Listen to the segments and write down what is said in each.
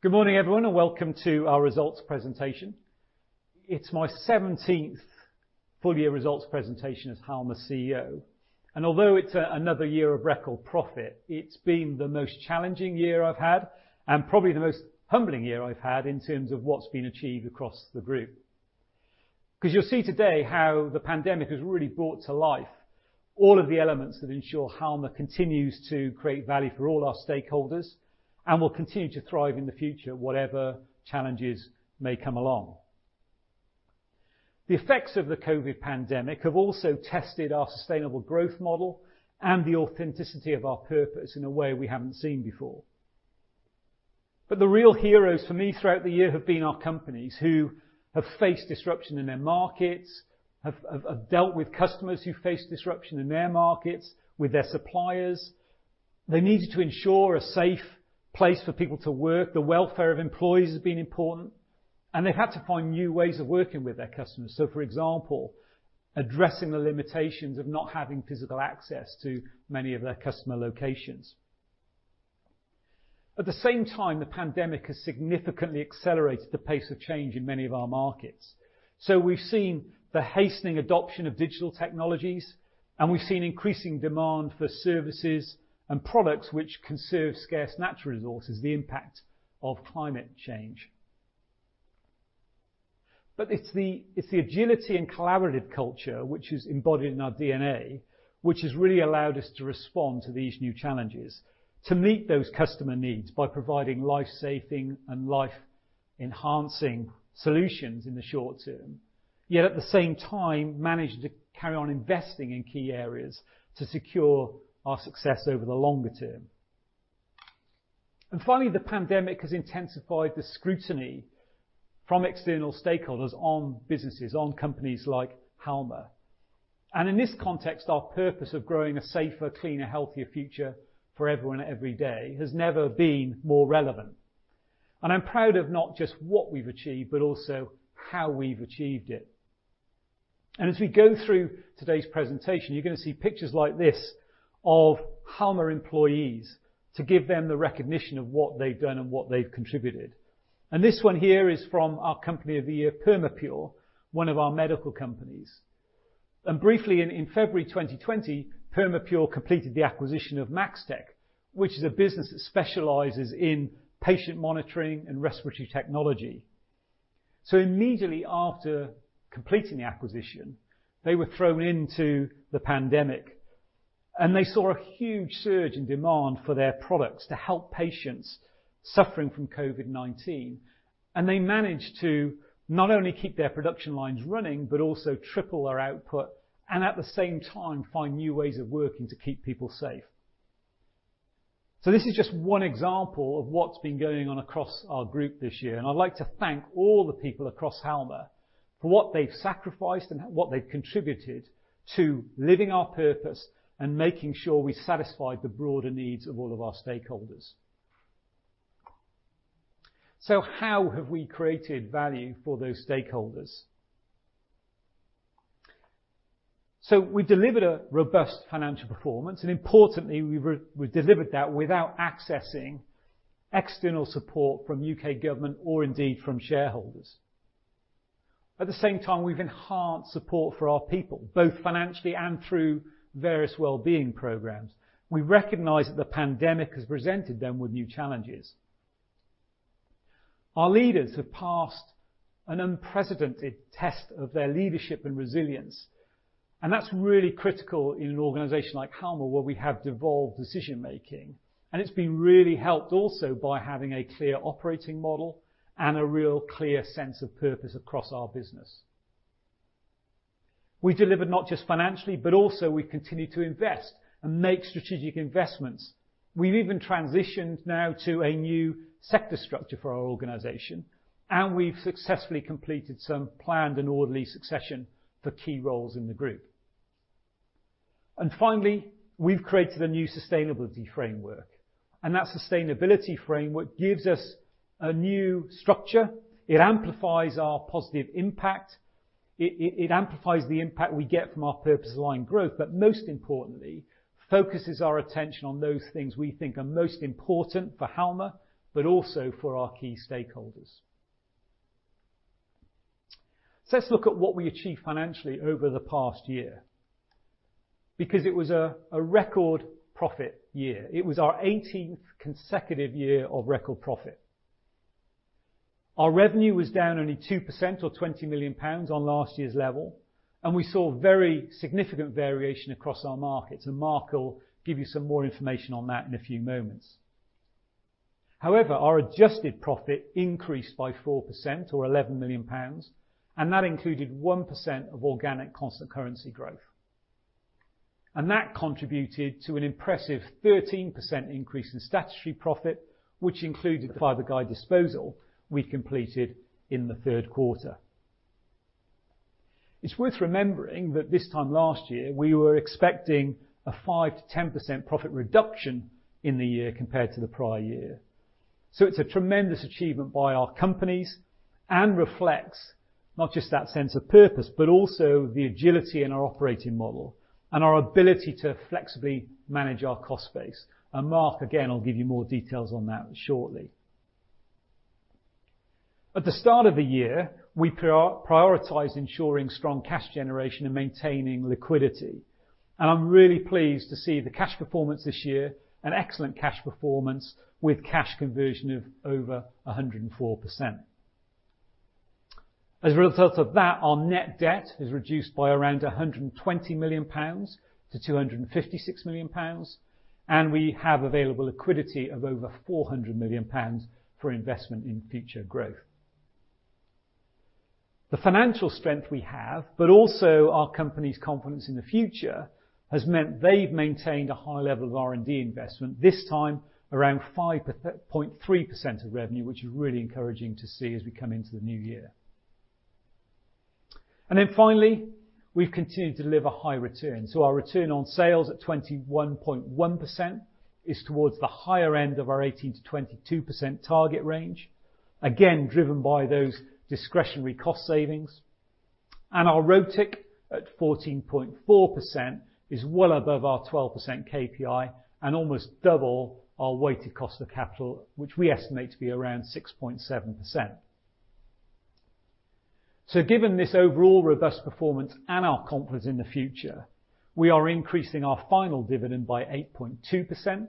Good morning, everyone, and welcome to our results presentation. It's my 17th full year results presentation as Halma's CEO. Although it's another year of record profit, it's been the most challenging year I've had, and probably the most humbling year I've had in terms of what's been achieved across the group. You'll see today how the pandemic has really brought to life all of the elements that ensure Halma continues to create value for all our stakeholders, and will continue to thrive in the future, whatever challenges may come along. The effects of the COVID-19 pandemic have also tested our sustainable growth model and the authenticity of our purpose in a way we haven't seen before. The real heroes for me throughout the year have been our companies who have faced disruption in their markets, have dealt with customers who face disruption in their markets, with their suppliers. They needed to ensure a safe place for people to work. The welfare of employees has been important, and they've had to find new ways of working with their customers. For example, addressing the limitations of not having physical access to many of their customer locations. At the same time, the pandemic has significantly accelerated the pace of change in many of our markets. We've seen the hastening adoption of digital technologies, and we've seen increasing demand for services and products which conserve scarce natural resources, the impact of climate change. It's the agility and collaborative culture which is embodied in our DNA, which has really allowed us to respond to these new challenges. To meet those customer needs by providing life-saving and life-enhancing solutions in the short term, yet at the same time, manage to carry on investing in key areas to secure our success over the longer term. Finally, the pandemic has intensified the scrutiny from external stakeholders on businesses, on companies like Halma. In this context, our purpose of growing a safer, cleaner, healthier future for everyone every day has never been more relevant. I'm proud of not just what we've achieved, but also how we've achieved it. As we go through today's presentation, you're going to see pictures like this of Halma employees to give them the recognition of what they've done and what they've contributed. This one here is from our company of the year, Perma Pure, one of our Medical companies. Briefly, in February 2020, Perma Pure completed the acquisition of Maxtec, which is a business that specializes in patient monitoring and respiratory technology. Immediately after completing the acquisition, they were thrown into the pandemic, and they saw a huge surge in demand for their products to help patients suffering from COVID-19. They managed to not only keep their production lines running, but also triple their output, and at the same time find new ways of working to keep people safe. This is just one example of what's been going on across our group this year, and I'd like to thank all the people across Halma for what they've sacrificed and what they've contributed to living our purpose and making sure we satisfied the broader needs of all of our stakeholders. How have we created value for those stakeholders? We've delivered a robust financial performance, and importantly, we delivered that without accessing external support from U.K. government or indeed from shareholders. At the same time, we've enhanced support for our people, both financially and through various well-being programs. We recognize that the pandemic has presented them with new challenges. Our leaders have passed an unprecedented test of their leadership and resilience, and that's really critical in an organization like Halma, where we have devolved decision-making. It's been really helped also by having a clear operating model and a real clear sense of purpose across our business. We delivered not just financially, but also we continued to invest and make strategic investments. We've even transitioned now to a new sector structure for our organization, and we've successfully completed some planned and orderly succession for key roles in the group. Finally, we've created a new sustainability framework, and that sustainability framework gives us a new structure. It amplifies our positive impact, it amplifies the impact we get from our purpose-led growth, but most importantly, focuses our attention on those things we think are most important for Halma, but also for our key stakeholders. Let's look at what we achieved financially over the past year. Because it was a record profit year. It was our 18th consecutive year of record profit. Our revenue was down only 2% or 20 million pounds on last year's level, and we saw very significant variation across our markets, Mark will give you some more information on that in a few moments. However, our adjusted profit increased by 4% or 11 million pounds, That included 1% of organic constant currency growth. That contributed to an impressive 13% increase in statutory profit, which included the Fiberguide disposal we completed in the third quarter. It's worth remembering that this time last year, we were expecting a 5%-10% profit reduction in the year compared to the prior year. It's a tremendous achievement by our companies. And reflects not just that sense of purpose, but also the agility in our operating model and our ability to flexibly manage our cost base. Mark, again, will give you more details on that shortly. At the start of the year, we prioritized ensuring strong cash generation and maintaining liquidity. I'm really pleased to see the cash performance this year, an excellent cash performance with cash conversion of over 104%. As a result of that, our net debt is reduced by around 120 million pounds to 256 million pounds. We have available liquidity of over 400 million pounds for investment in future growth. The financial strength we have, but also our company's confidence in the future, has meant they've maintained a high level of R&D investment, this time around 5.3% of revenue, which is really encouraging to see as we come into the new year. Finally, we've continued to deliver high returns. Our return on sales at 21.1% is towards the higher end of our 18%-22% target range, again, driven by those discretionary cost savings. Our ROTIC at 14.4% is well above our 12% KPI and almost double our weighted cost of capital, which we estimate to be around 6.7%. Given this overall robust performance and our confidence in the future, we are increasing our final dividend by 8.2%,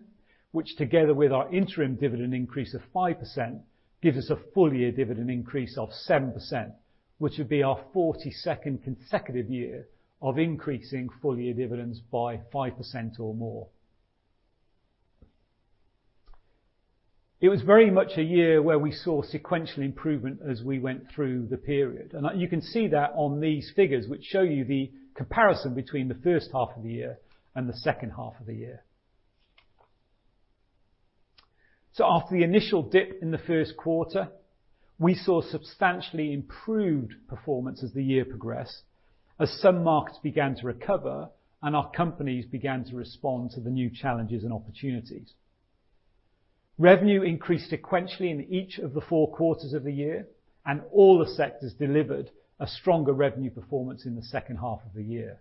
which together with our interim dividend increase of 5%, gives us a full year dividend increase of 7%, which would be our 42nd consecutive year of increasing full-year dividends by 5% or more. It was very much a year where we saw sequential improvement as we went through the period. You can see that on these figures, which show you the comparison between the first half of the year and the second half of the year. After the initial dip in the first quarter, we saw substantially improved performance as the year progressed, as some markets began to recover and our companies began to respond to the new challenges and opportunities. Revenue increased sequentially in each of the four quarters of the year. All the sectors delivered a stronger revenue performance in the second half of the year.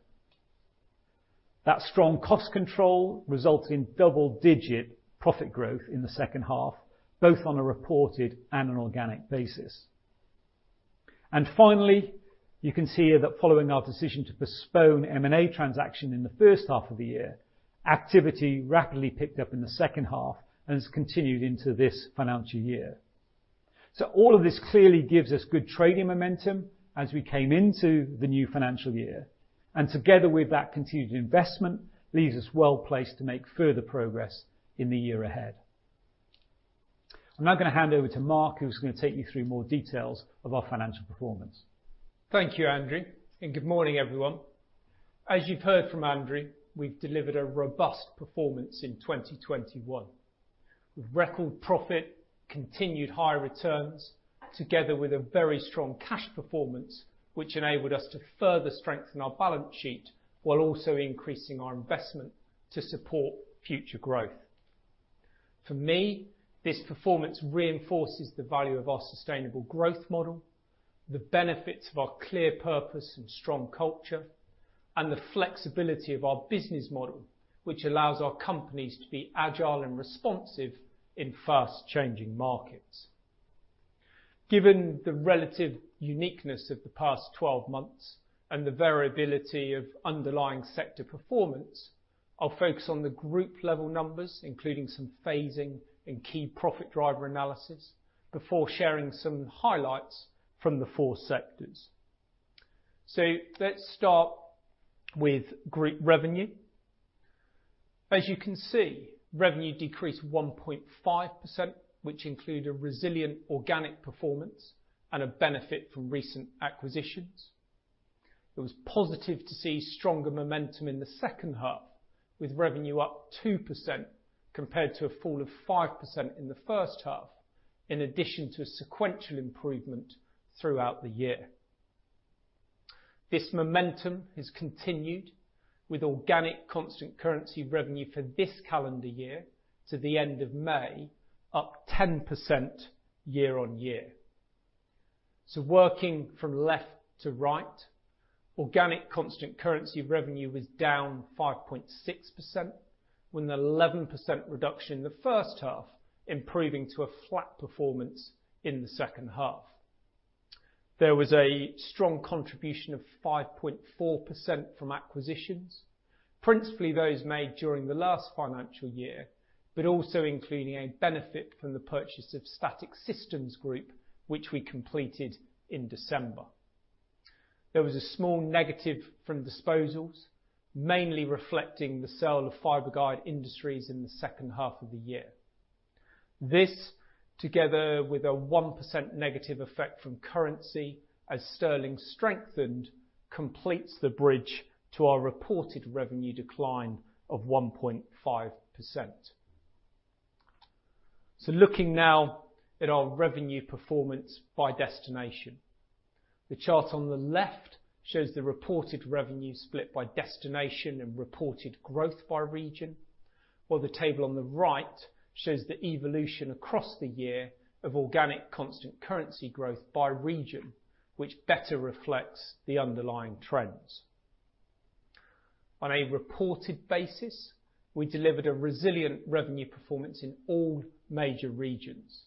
That strong cost control resulted in double-digit profit growth in the second half, both on a reported and an organic basis. Finally, you can see here that following our decision to postpone M&A transaction in the first half of the year. Activity rapidly picked up in the second half and has continued into this financial year. All of this clearly gives us good trading momentum as we came into the new financial year. Together with that continued investment, leaves us well-placed to make further progress in the year ahead. I'm now going to hand over to Mark, who's going to take you through more details of our financial performance. Thank you, Andrew, good morning, everyone. As you've heard from Andrew, we've delivered a robust performance in 2021. Record profit, continued high returns, together with a very strong cash performance, which enabled us to further strengthen our balance sheet while also increasing our investment to support future growth. For me, this performance reinforces the value of our sustainable growth model, the benefits of our clear purpose and strong culture, and the flexibility of our business model, which allows our companies to be agile and responsive in fast-changing markets. Given the relative uniqueness of the past 12 months and the variability of underlying sector performance, I'll focus on the group level numbers, including some phasing and key profit driver analysis, before sharing some highlights from the four sectors. Let's start with group revenue. As you can see, revenue decreased 1.5%, which include a resilient organic performance and a benefit from recent acquisitions. It was positive to see stronger momentum in the second half, with revenue up 2% compared to a fall of 5% in the first half, in addition to a sequential improvement throughout the year. This momentum has continued with organic constant currency revenue for this calendar year to the end of May, up 10% year-on-year. Working from left to right, organic constant currency revenue was down 5.6% with an 11% reduction in the first half, improving to a flat performance in the second half. There was a strong contribution of 5.4% from acquisitions, principally those made during the last financial year, but also including a benefit from the purchase of Static Systems Group, which we completed in December. There was a small negative from disposals, mainly reflecting the sale of Fiberguide Industries in the second half of the year. This, together with a 1% negative effect from currency as sterling strengthened, completes the bridge to our reported revenue decline of 1.5%. Looking now at our revenue performance by destination. The chart on the left shows the reported revenue split by destination and reported growth by region, while the table on the right shows the evolution across the year of organic constant currency growth by region, which better reflects the underlying trends. On a reported basis, we delivered a resilient revenue performance in all major regions.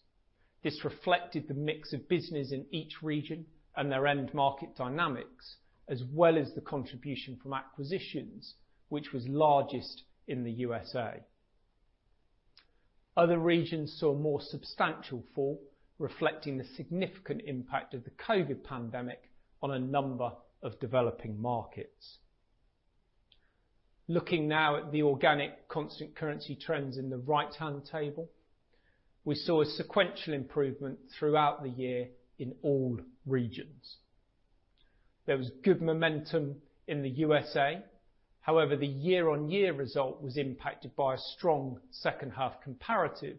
This reflected the mix of businesses in each region and their end market dynamics, as well as the contribution from acquisitions, which was largest in the U.S. Other regions saw a more substantial fall, reflecting the significant impact of the COVID-19 pandemic on a number of developing markets. Looking now at the organic constant currency trends in the right-hand table, we saw a sequential improvement throughout the year in all regions. There was good momentum in the U.S. The year-on-year result was impacted by a strong second half comparative,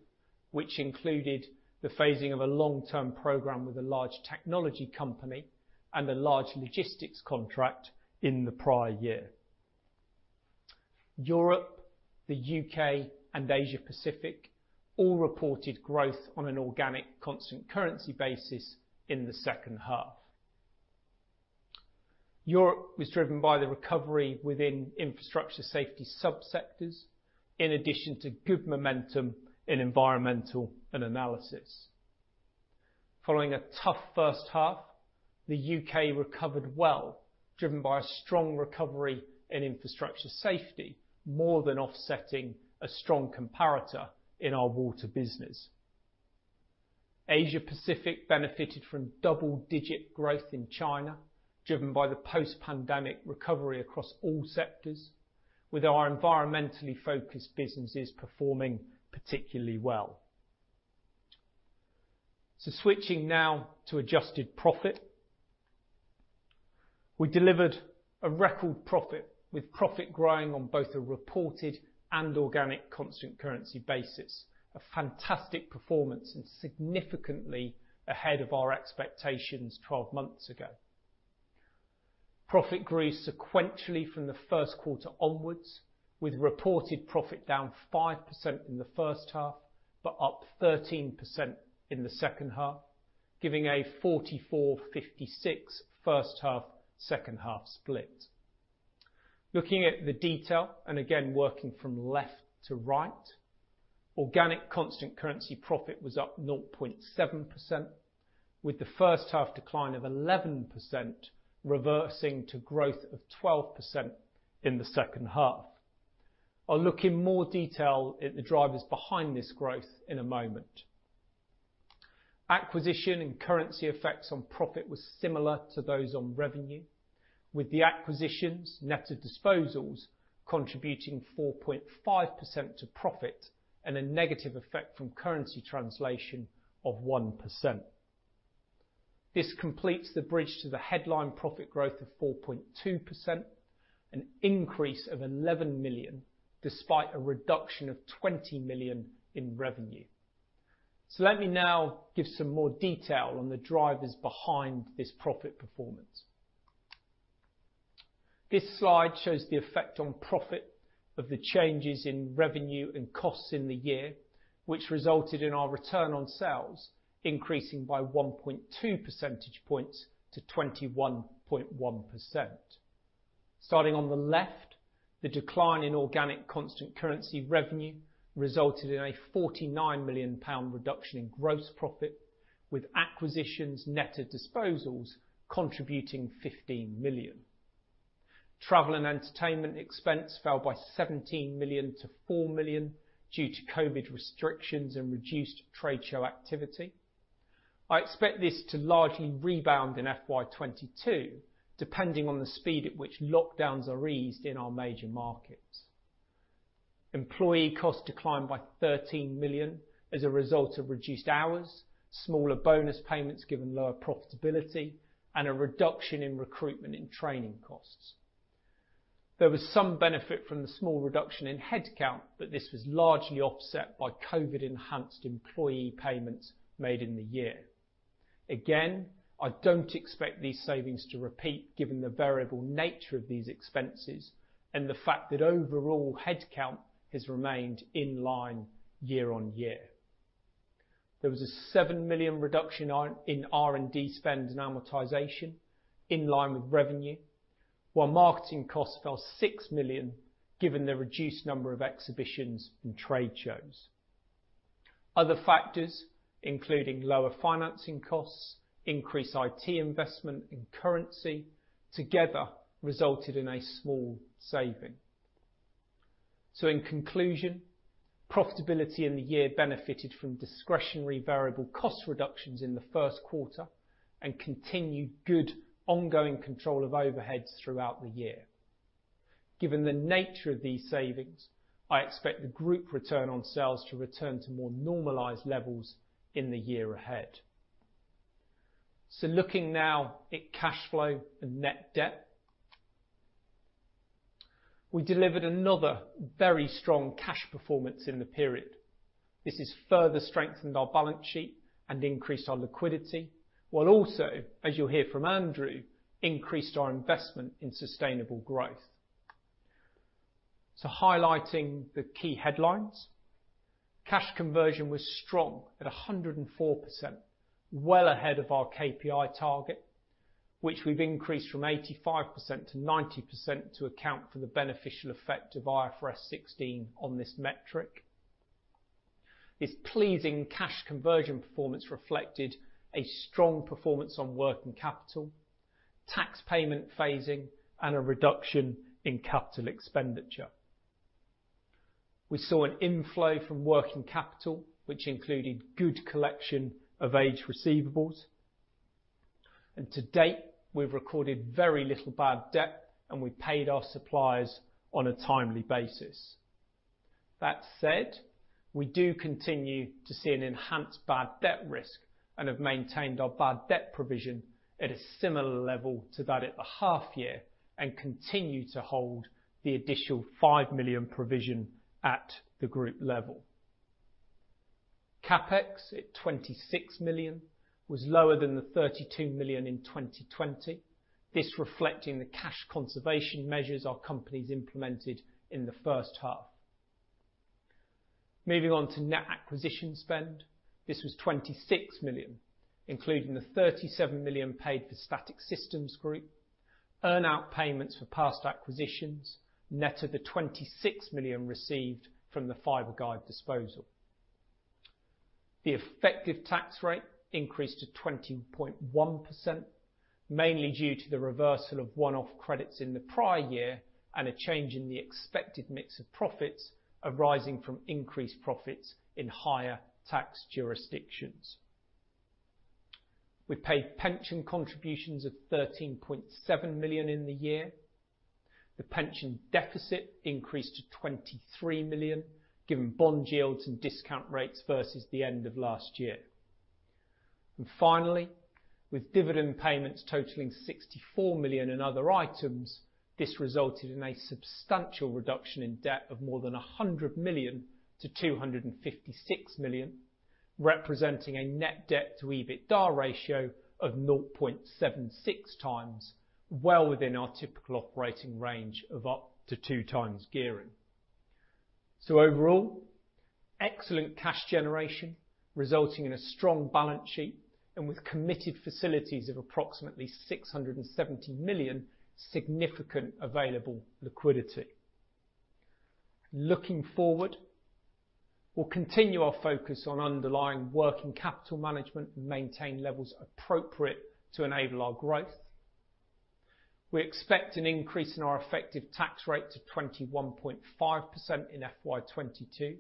which included the phasing of a long-term program with a large technology company and a large logistics contract in the prior year. Europe, the U.K., and Asia-Pacific all reported growth on an organic constant currency basis in the second half. Europe was driven by the recovery within Infrastructure Safety sub-sectors, in addition to good momentum in Environmental & Analysis. Following a tough first half, the U.K. recovered well, driven by a strong recovery in Infrastructure Safety, more than offsetting a strong comparator in our UK Water business. Asia-Pacific benefited from double-digit growth in China, driven by the post-pandemic recovery across all sectors, with our environmentally focused businesses performing particularly well. Switching now to adjusted profit. We delivered a record profit, with profit growing on both a reported and organic constant currency basis, a fantastic performance and significantly ahead of our expectations 12 months ago. Profit grew sequentially from the first quarter onwards, with reported profit down 5% in the first half but up 13% in the second half, giving a 44/56 first half/second half split. Looking at the detail, and again, working from left to right, organic constant currency profit was up 0.7%, with the first half decline of 11% reversing to growth of 12% in the second half. I'll look in more detail at the drivers behind this growth in a moment. Acquisition and currency effects on profit were similar to those on revenue, with the acquisitions net of disposals contributing 4.5% to profit and a negative effect from currency translation of 1%. This completes the bridge to the headline profit growth of 4.2%, an increase of 11 million, despite a reduction of 20 million in revenue. Let me now give some more detail on the drivers behind this profit performance. This slide shows the effect on profit of the changes in revenue and costs in the year, which resulted in our return on sales increasing by 1.2 percentage points to 21.1%. Starting on the left, the decline in organic constant currency revenue resulted in a 49 million pound reduction in gross profit, with acquisitions net of disposals contributing 15 million. Travel and entertainment expense fell by 17 million to 4 million due to COVID restrictions and reduced trade show activity. I expect this to largely rebound in FY 2022, depending on the speed at which lockdowns are eased in our major markets. Employee costs declined by 13 million as a result of reduced hours, smaller bonus payments given lower profitability, and a reduction in recruitment and training costs. There was some benefit from the small reduction in headcount, but this was largely offset by COVID-enhanced employee payments made in the year. Again, I don't expect these savings to repeat given the variable nature of these expenses and the fact that overall headcount has remained in line year-on-year. There was a 7 million reduction in R&D spend and amortization in line with revenue, while marketing costs fell 6 million given the reduced number of exhibitions and trade shows. Other factors, including lower financing costs, increased IT investment, and currency together resulted in a small saving. In conclusion, profitability in the year benefited from discretionary variable cost reductions in the first quarter and continued good ongoing control of overheads throughout the year. Given the nature of these savings, I expect the group return on sales to return to more normalized levels in the year ahead. Looking now at cash flow and net debt. We delivered another very strong cash performance in the period. This has further strengthened our balance sheet and increased our liquidity, while also, as you'll hear from Andrew, increased our investment in sustainable growth. Highlighting the key headlines, cash conversion was strong at 104%, well ahead of our KPI target, which we've increased from 85%-90% to account for the beneficial effect of IFRS 16 on this metric. This pleasing cash conversion performance reflected a strong performance on working capital, tax payment phasing, and a reduction in capital expenditure. We saw an inflow from working capital, which included good collection of aged receivables. To date, we've recorded very little bad debt, and we paid our suppliers on a timely basis. That said, we do continue to see an enhanced bad debt risk and have maintained our bad debt provision at a similar level to that at the half year and continue to hold the additional 5 million provision at the group level. CapEx at 26 million was lower than the 32 million in 2020, reflecting the cash conservation measures our companies implemented in the first half. Moving on to net acquisition spend, this was 26 million, including the 37 million paid for Static Systems Group, earn-out payments for past acquisitions, net of the 26 million received from the Fiberguide disposal. The effective tax rate increased to 20.1%, mainly due to the reversal of one-off credits in the prior year and a change in the expected mix of profits arising from increased profits in higher tax jurisdictions. We paid pension contributions of 13.7 million in the year. The pension deficit increased to 23 million, given bond yields and discount rates versus the end of last year. Finally, with dividend payments totaling 64 million in other items, this resulted in a substantial reduction in debt of more than 100 million to 256 million, representing a net debt to EBITDA ratio of 0.76 times, well within our typical operating range of up to two times gearing. Overall, excellent cash generation, resulting in a strong balance sheet, and with committed facilities of approximately 670 million, significant available liquidity. Looking forward, we'll continue our focus on underlying working capital management and maintain levels appropriate to enable our growth. We expect an increase in our effective tax rate to 21.5% in FY 2022.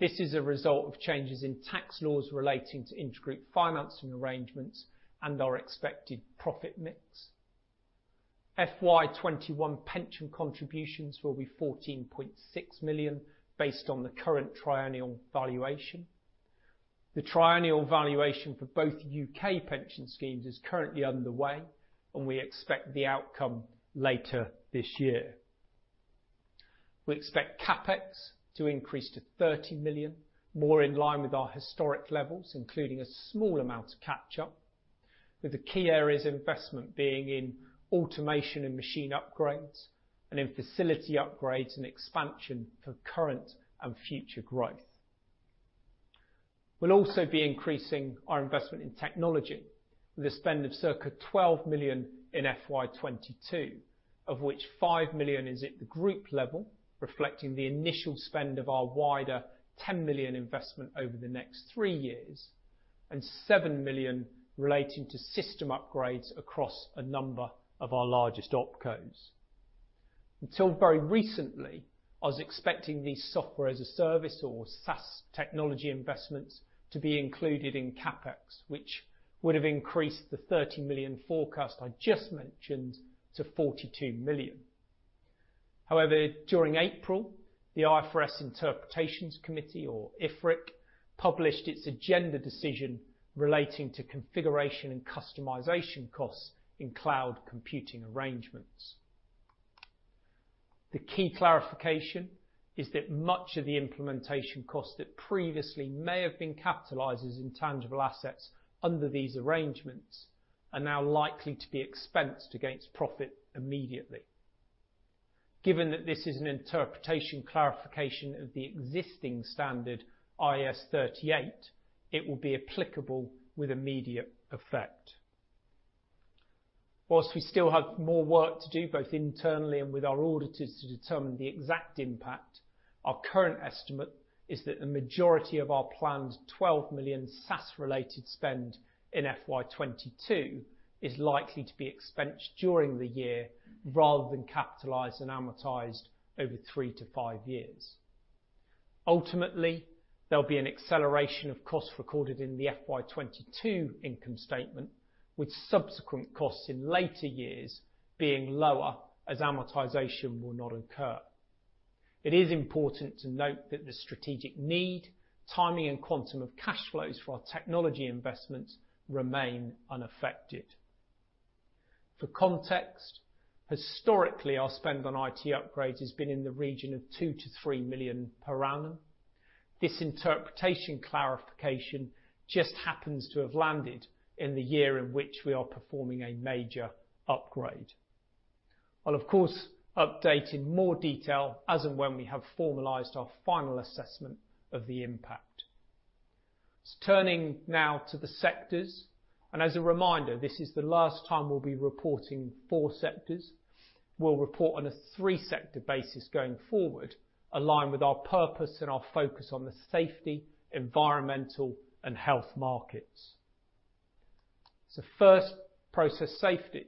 This is a result of changes in tax laws relating to intragroup financing arrangements and our expected profit mix. FY 2021 pension contributions will be 14.6 million, based on the current triennial valuation. The triennial valuation for both U.K. pension schemes is currently underway, and we expect the outcome later this year. We expect CapEx to increase to 30 million, more in line with our historic levels, including a small amount of catch-up, with the key areas of investment being in automation and machine upgrades and in facility upgrades and expansion for current and future growth. We'll also be increasing our investment in technology with a spend of circa 12 million in FY 2022, of which 5 million is at the group level, reflecting the initial spend of our wider 10 million investment over the next three years, and 7 million relating to system upgrades across a number of our largest opcos. Until very recently, I was expecting these Software-as-a-Service, or SaaS, technology investments to be included in CapEx, which would have increased the 30 million forecast I just mentioned to 42 million. During April, the IFRS Interpretations Committee, or IFRIC, published its agenda decision relating to configuration and customization costs in cloud computing arrangements. The key clarification is that much of the implementation cost that previously may have been capitalized as intangible assets under these arrangements are now likely to be expensed against profit immediately. Given that this is an interpretation clarification of the existing standard, IAS 38, it will be applicable with immediate effect. While we still have more work to do, both internally and with our auditors, to determine the exact impact, our current estimate is that the majority of our planned 12 million SaaS-related spend in FY 2022 is likely to be expensed during the year rather than capitalized and amortized over three to five years. Ultimately, there'll be an acceleration of costs recorded in the FY 2022 income statement, with subsequent costs in later years being lower as amortization will not occur. It is important to note that the strategic need, timing, and quantum of cash flows for our technology investments remain unaffected. For context, historically, our spend on IT upgrades has been in the region of 2 million-3 million per annum. This interpretation clarification just happens to have landed in the year in which we are performing a major upgrade. I'll, of course, update in more detail as and when we have formalized our final assessment of the impact. Turning now to the sectors, and as a reminder, this is the last time we'll be reporting four sectors. We'll report on a three-sector basis going forward, aligned with our purpose and our focus on the safety, Environmental, and health markets. First, Process Safety,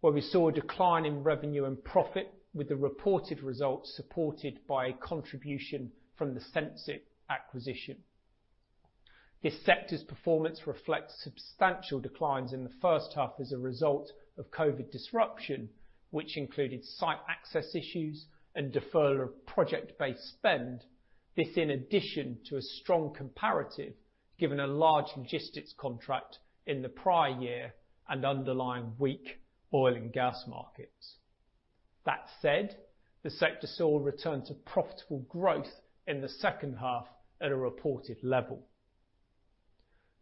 where we saw a decline in revenue and profit, with the reported results supported by a contribution from the Sensit acquisition. This sector's performance reflects substantial declines in the 1st half as a result of COVID disruption, which included site access issues and deferral of project-based spend. This in addition to a strong comparative, given a large logistics contract in the prior year and underlying weak oil and gas markets. That said, the sector saw a return to profitable growth in the second half at a reported level.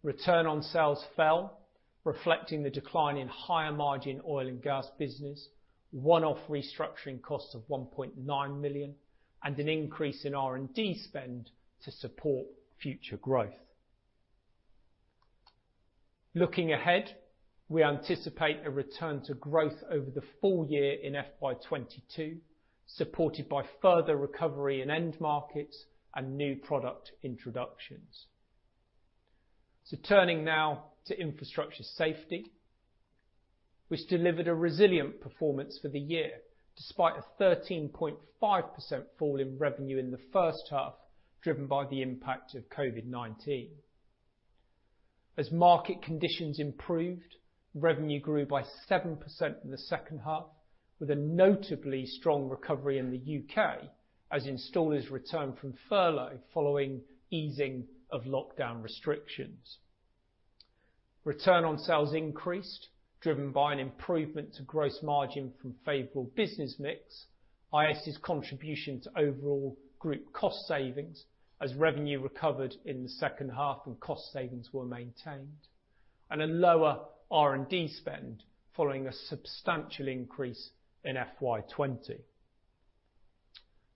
Return on sales fell, reflecting the decline in higher margin oil and gas business, one-off restructuring costs of 1.9 million, and an increase in R&D spend to support future growth. Looking ahead, we anticipate a return to growth over the full year in FY 2022, supported by further recovery in end markets and new product introductions. Turning now to Infrastructure Safety, which delivered a resilient performance for the year, despite a 13.5% fall in revenue in the first half, driven by the impact of COVID-19. As market conditions improved, revenue grew by 7% in the second half, with a notably strong recovery in the U.K. as installers returned from furlough following easing of lockdown restrictions. Return on sales increased, driven by an improvement to gross margin from favorable business mix, IS's contribution to overall group cost savings as revenue recovered in the second half and cost savings were maintained, and a lower R&D spend following a substantial increase in FY 2020.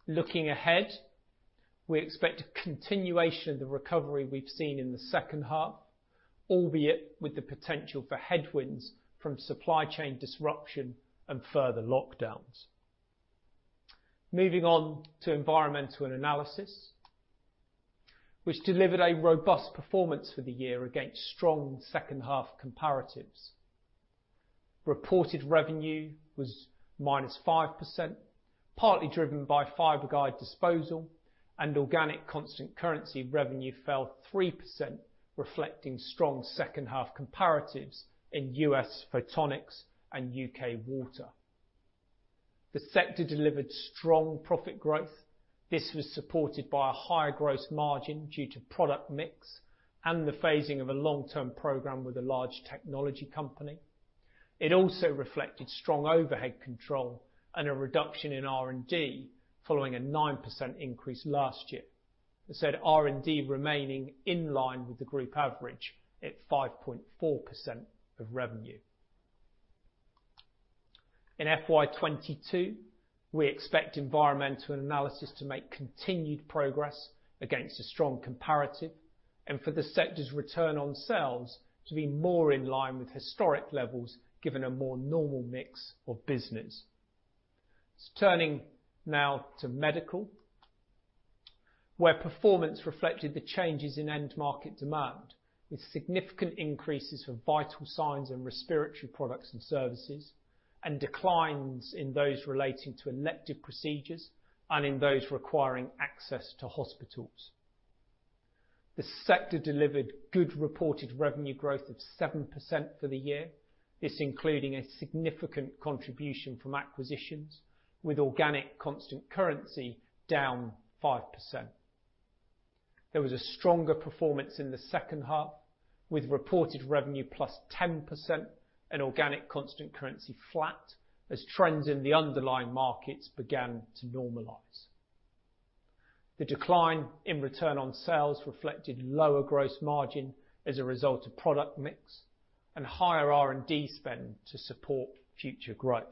Looking ahead, we expect a continuation of the recovery we've seen in the second half, albeit with the potential for headwinds from supply chain disruption and further lockdowns. Moving on to Environmental & Analysis, which delivered a robust performance for the year against strong second half comparatives. Reported revenue was -5%, partly driven by Fiberguide disposal, and organic constant currency revenue fell 3%, reflecting strong second half comparatives in U.S. Photonics and U.K. Water. The sector delivered strong profit growth. This was supported by a higher gross margin due to product mix and the phasing of a long-term program with a large technology company. It also reflected strong overhead control and a reduction in R&D following a 9% increase last year. That said, R&D remaining in line with the group average at 5.4% of revenue. In FY 2022, we expect Environmental & Analysis to make continued progress against a strong comparative, and for the sector's return on sales to be more in line with historic levels, given a more normal mix of business. Turning now to Medical, where performance reflected the changes in end market demand, with significant increases for vital signs and respiratory products and services, and declines in those relating to elective procedures and in those requiring access to hospitals. The sector delivered good reported revenue growth of 7% for the year. This, including a significant contribution from acquisitions, with organic constant currency down 5%. There was a stronger performance in the second half, with reported revenue plus 10% and organic constant currency flat, as trends in the underlying markets began to normalize. The decline in return on sales reflected lower gross margin as a result of product mix and higher R&D spend to support future growth.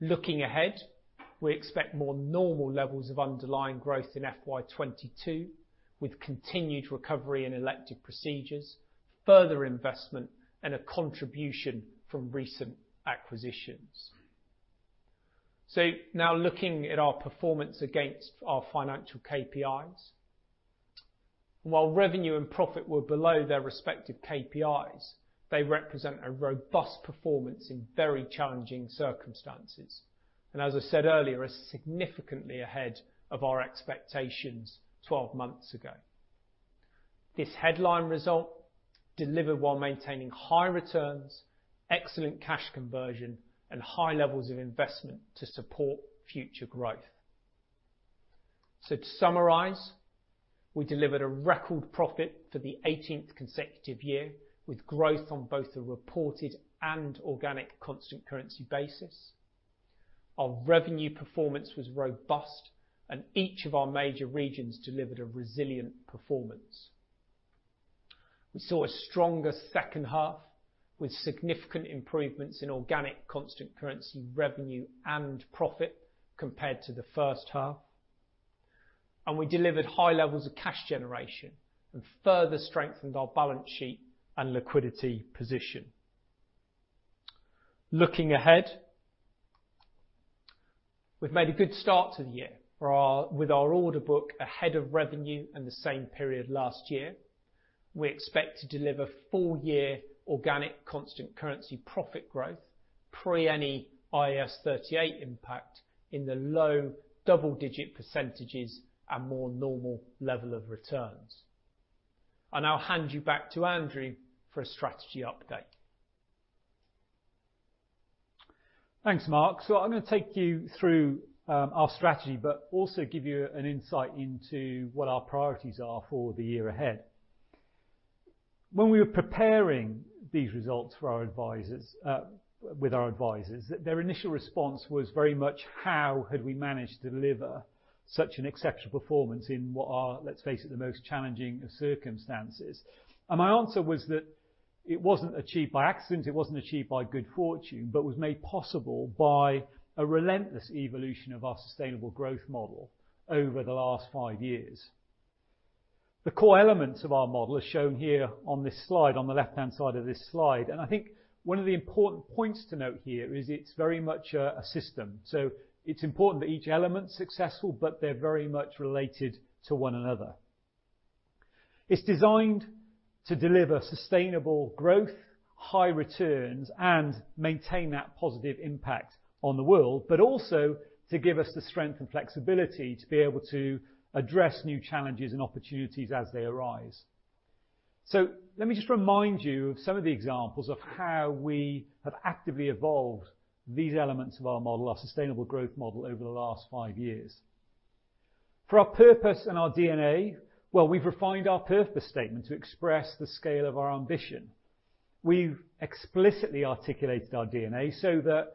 Looking ahead, we expect more normal levels of underlying growth in FY 2022, with continued recovery in elective procedures, further investment, and a contribution from recent acquisitions. Now looking at our performance against our financial KPIs. While revenue and profit were below their respective KPIs, they represent a robust performance in very challenging circumstances, and as I said earlier, are significantly ahead of our expectations 12 months ago. This headline result delivered while maintaining high returns, excellent cash conversion, and high levels of investment to support future growth. To summarize, we delivered a record profit for the 18th consecutive year, with growth on both a reported and organic constant currency basis. Our revenue performance was robust, and each of our major regions delivered a resilient performance. We saw a stronger second half, with significant improvements in organic constant currency revenue and profit compared to the first half. We delivered high levels of cash generation and further strengthened our balance sheet and liquidity position. Looking ahead, we've made a good start to the year with our order book ahead of revenue in the same period last year. We expect to deliver full-year organic constant currency profit growth pre any IAS 38 impact in the low double-digit % and more normal level of returns. I'll now hand you back to Andrew for a strategy update. Thanks, Mark. I'm going to take you through our strategy, but also give you an insight into what our priorities are for the year ahead. When we were preparing these results with our advisors, their initial response was very much how had we managed to deliver such an exceptional performance in what are, let's face it, the most challenging of circumstances. My answer was that it wasn't achieved by accident, it wasn't achieved by good fortune, but was made possible by a relentless evolution of our sustainable growth model over the last five years. The core elements of our model are shown here on this slide, on the left-hand side of this slide. I think one of the important points to note here is it's very much a system. It's important that each element's successful, but they're very much related to one another. It's designed to deliver sustainable growth, high returns, and maintain that positive impact on the world, also to give us the strength and flexibility to be able to address new challenges and opportunities as they arise. Let me just remind you of some of the examples of how we have actively evolved these elements of our model, our sustainable growth model, over the last five years. For our purpose and our DNA, well, we've refined our purpose statement to express the scale of our ambition. We've explicitly articulated our DNA so that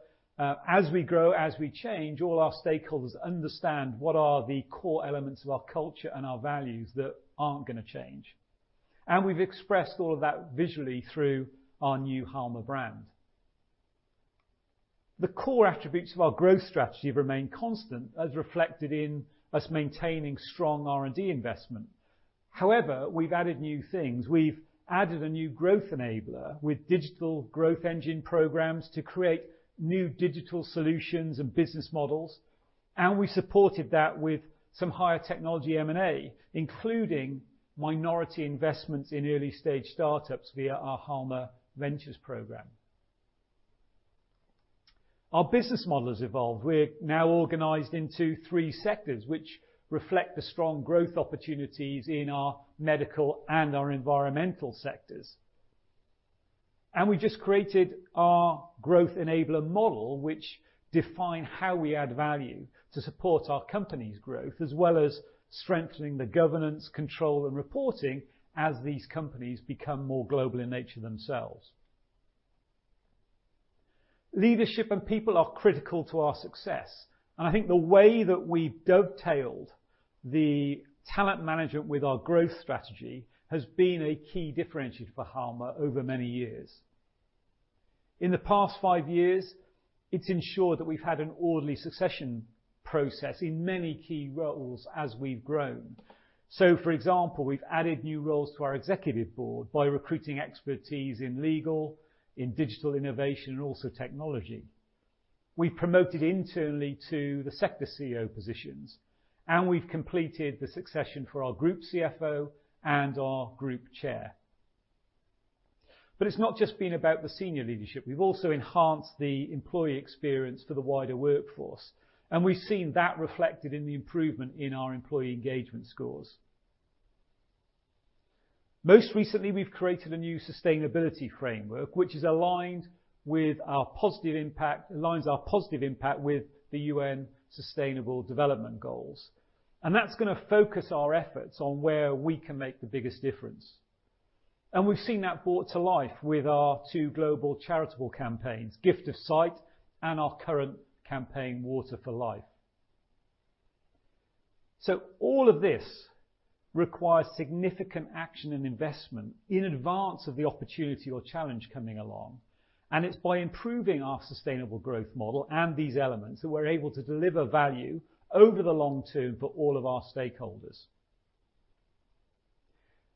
as we grow, as we change, all our stakeholders understand what are the core elements of our culture and our values that aren't going to change. We've expressed all of that visually through our new Halma brand. The core attributes of our growth strategy have remained constant, as reflected in us maintaining strong R&D investment. However, we've added new things. We've added a new growth enabler with digital growth engine programs to create new digital solutions and business models. We supported that with some higher technology M&A, including minority investments in early-stage startups via our Halma Ventures program. Our business model has evolved. We're now organized into three sectors, which reflect the strong growth opportunities in our medical and our environmental sectors. We just created our growth enabler model, which define how we add value to support our company's growth, as well as strengthening the governance, control, and reporting as these companies become more global in nature themselves. Leadership and people are critical to our success, and I think the way that we dovetailed the talent management with our growth strategy has been a key differentiator for Halma over many years. In the past five years, it's ensured that we've had an orderly succession process in many key roles as we've grown. For example, we've added new roles to our executive board by recruiting expertise in legal, in digital innovation, and also technology. We promoted internally to the sector CEO positions, and we've completed the succession for our group CFO and our group chair. It's not just been about the senior leadership. We've also enhanced the employee experience for the wider workforce, and we've seen that reflected in the improvement in our employee engagement scores. Most recently, we've created a new sustainability framework, which aligns our positive impact with the UN Sustainable Development Goals. That's going to focus our efforts on where we can make the biggest difference. We've seen that brought to life with our two global charitable campaigns, Gift of Sight and our current campaign, Water for Life. All of this requires significant action and investment in advance of the opportunity or challenge coming along. It's by improving our sustainable growth model and these elements that we're able to deliver value over the long term for all of our stakeholders.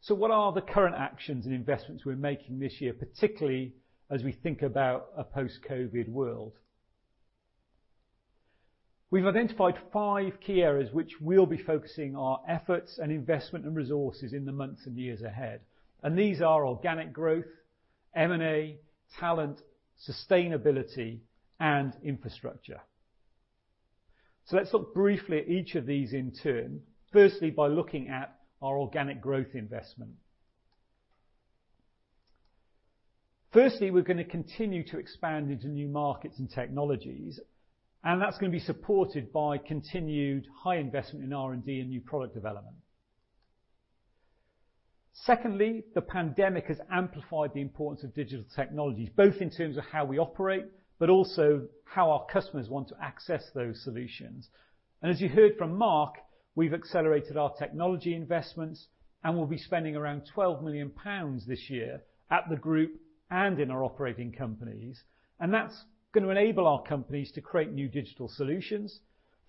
What are the current actions and investments we're making this year, particularly as we think about a post-COVID world? We've identified five key areas which we'll be focusing our efforts and investment and resources in the months and years ahead, and these are organic growth, M&A, talent, sustainability, and infrastructure. Let's look briefly at each of these in turn, firstly, by looking at our organic growth investment. Firstly, we are going to continue to expand into new markets and technologies, and that is going to be supported by continued high investment in R&D and new product development. Secondly, the pandemic has amplified the importance of digital technologies, both in terms of how we operate, but also how our customers want to access those solutions. As you heard from Mark, we have accelerated our technology investments. We'll be spending around 12 million pounds this year at the group and in our operating companies, and that is going to enable our companies to create new digital solutions.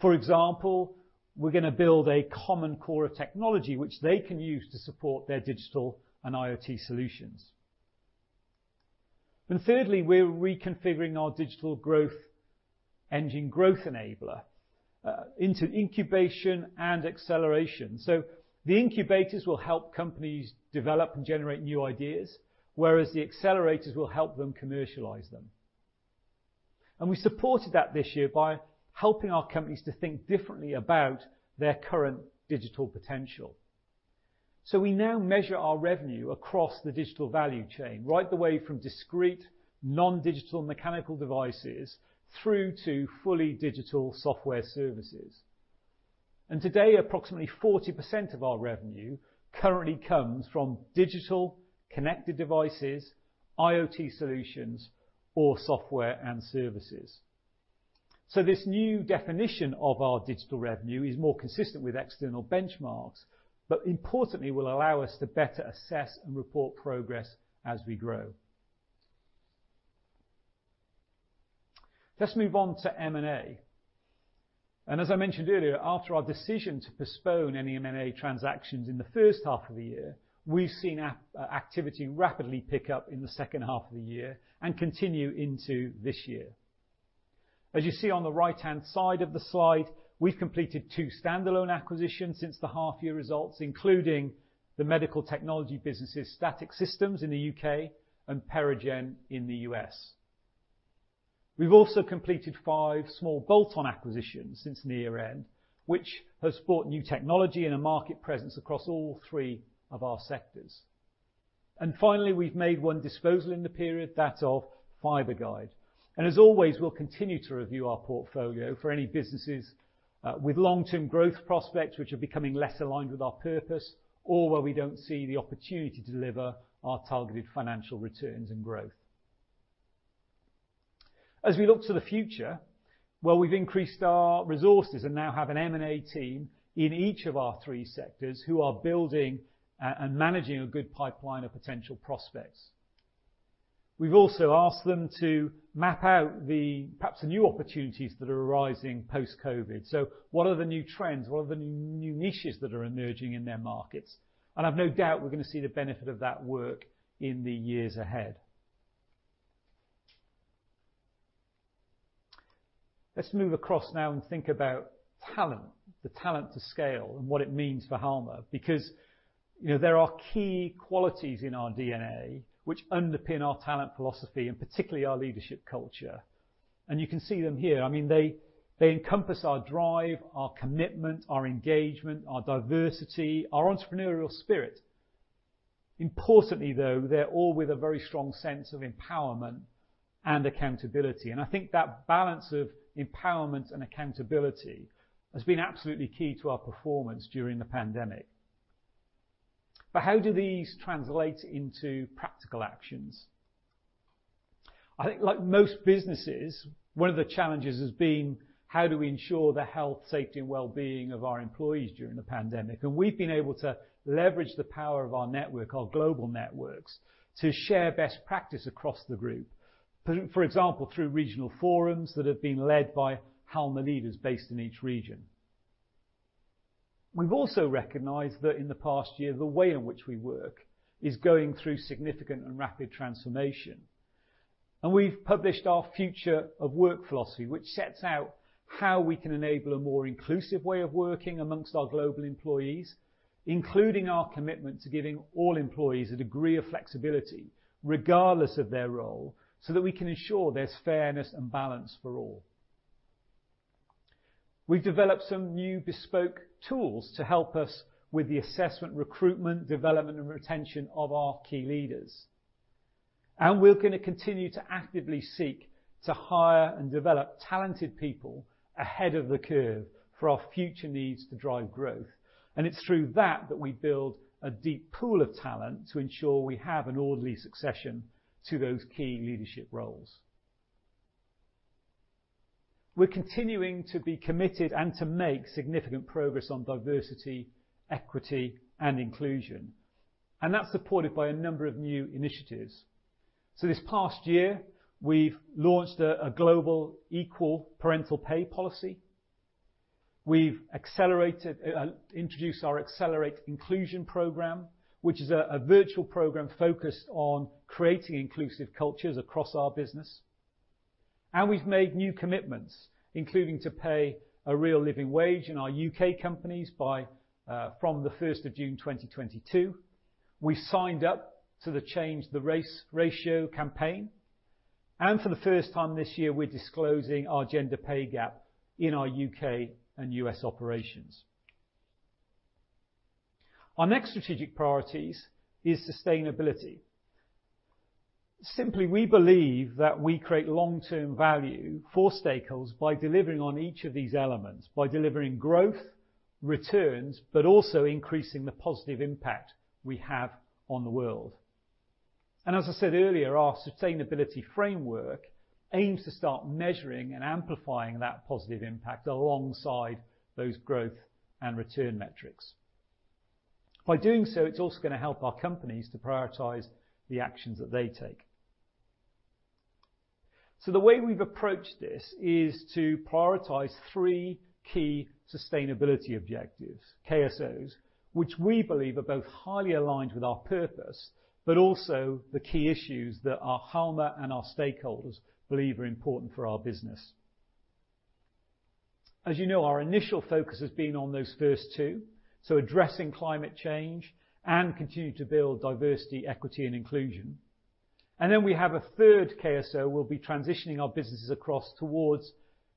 For example, we are going to build a common core of technology which they can use to support their digital and IoT solutions. Thirdly, we are reconfiguring our digital growth engine growth enabler into incubation and acceleration. The incubators will help companies develop and generate new ideas, whereas the accelerators will help them commercialize them. We supported that this year by helping our companies to think differently about their current digital potential. We now measure our revenue across the digital value chain, right the way from discrete, non-digital mechanical devices through to fully digital software services. Today, approximately 40% of our revenue currently comes from digital connected devices, IoT solutions or software and services. This new definition of our digital revenue is more consistent with external benchmarks, but importantly will allow us to better assess and report progress as we grow. Let's move on to M&A. As I mentioned earlier, after our decision to postpone any M&A transactions in the first half of the year, we've seen activity rapidly pick up in the second half of the year and continue into this year. As you see on the right-hand side of the slide, we've completed two standalone acquisitions since the half year results, including the medical technology businesses, Static Systems in the U.K. and PeriGen in the U.S. We've also completed five small bolt-on acquisitions since year-end, which has brought new technology and a market presence across all three of our sectors. Finally, we've made one disposal in the period, that of Fiberguide. As always, we'll continue to review our portfolio for any businesses with long-term growth prospects which are becoming less aligned with our purpose or where we don't see the opportunity to deliver our targeted financial returns and growth. As we look to the future, well, we've increased our resources and now have an M&A team in each of our three sectors who are building and managing a good pipeline of potential prospects. We've also asked them to map out the perhaps new opportunities that are arising post-COVID-19. What are the new trends? What are the new niches that are emerging in their markets? I've no doubt we're going to see the benefit of that work in the years ahead. Let's move across now and think about talent, the talent to scale and what it means for Halma. Because there are key qualities in our DNA which underpin our talent philosophy and particularly our leadership culture. You can see them here. They encompass our drive, our commitment, our engagement, our diversity, our entrepreneurial spirit. Importantly, though, they're all with a very strong sense of empowerment and accountability. I think that balance of empowerment and accountability has been absolutely key to our performance during the pandemic. How do these translate into practical actions? I think like most businesses, one of the challenges has been how do we ensure the health, safety, and wellbeing of our employees during the pandemic? We've been able to leverage the power of our network, our global networks, to share best practice across the group. For example, through regional forums that have been led by Halma leaders based in each region. We've also recognized that in the past year, the way in which we work is going through significant and rapid transformation. We've published our Future of Work philosophy, which sets out how we can enable a more inclusive way of working amongst our global employees, including our commitment to giving all employees a degree of flexibility regardless of their role, so that we can ensure there's fairness and balance for all. We developed some new bespoke tools to help us with the assessment, recruitment, development, and retention of our key leaders. We're going to continue to actively seek to hire and develop talented people ahead of the curve for our future needs to drive growth. It's through that that we build a deep pool of talent to ensure we have an orderly succession to those key leadership roles. We're continuing to be committed and to make significant progress on diversity, equity, and inclusion, and that's supported by a number of new initiatives. This past year, we've launched a global equal parental pay policy. We've introduced our Accelerate Inclusion program, which is a virtual program focused on creating inclusive cultures across our business. We've made new commitments, including to pay a real living wage in our U.K. companies from the 1st of June 2022. We signed up to the Change the Race Ratio campaign. For the first time this year, we're disclosing our gender pay gap in our U.K. and U.S. operations. Our next strategic priorities is sustainability. Simply, we believe that we create long-term value for stakeholders by delivering on each of these elements, by delivering growth, returns, but also increasing the positive impact we have on the world. As I said earlier, our sustainability framework aims to start measuring and amplifying that positive impact alongside those growth and return metrics. By doing so, it's also going to help our companies to prioritize the actions that they take. The way we've approached this is to prioritize three key sustainability objectives, KSOs, which we believe are both highly aligned with our purpose, but also the key issues that our Halma and our stakeholders believe are important for our business. As you know, our initial focus has been on those first two, addressing climate change and continue to build diversity, equity, and inclusion. Then we have a 3rd KSO we'll be transitioning our businesses across towards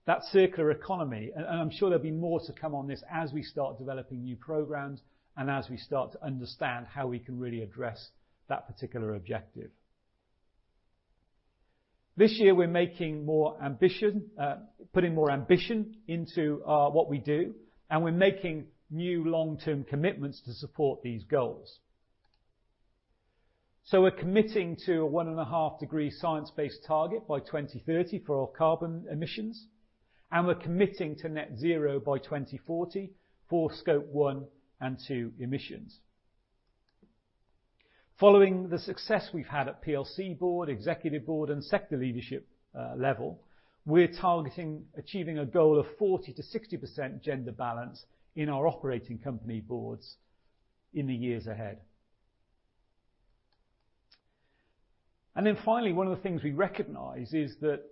that circular economy, and I'm sure there'll be more to come on this as we start developing new programs and as we start to understand how we can really address that particular objective. This year, we're putting more ambition into what we do, and we're making new long-term commitments to support these goals. We're committing to a 1.5 degree science-based target by 2030 for all carbon emissions, and we're committing to net zero by 2040 for Scope 1 and 2 emissions. Following the success we've had at PLC board, executive board, and sector leadership level, we're targeting achieving a goal of 40%-60% gender balance in our operating company boards in the years ahead. Finally, one of the things we recognize is that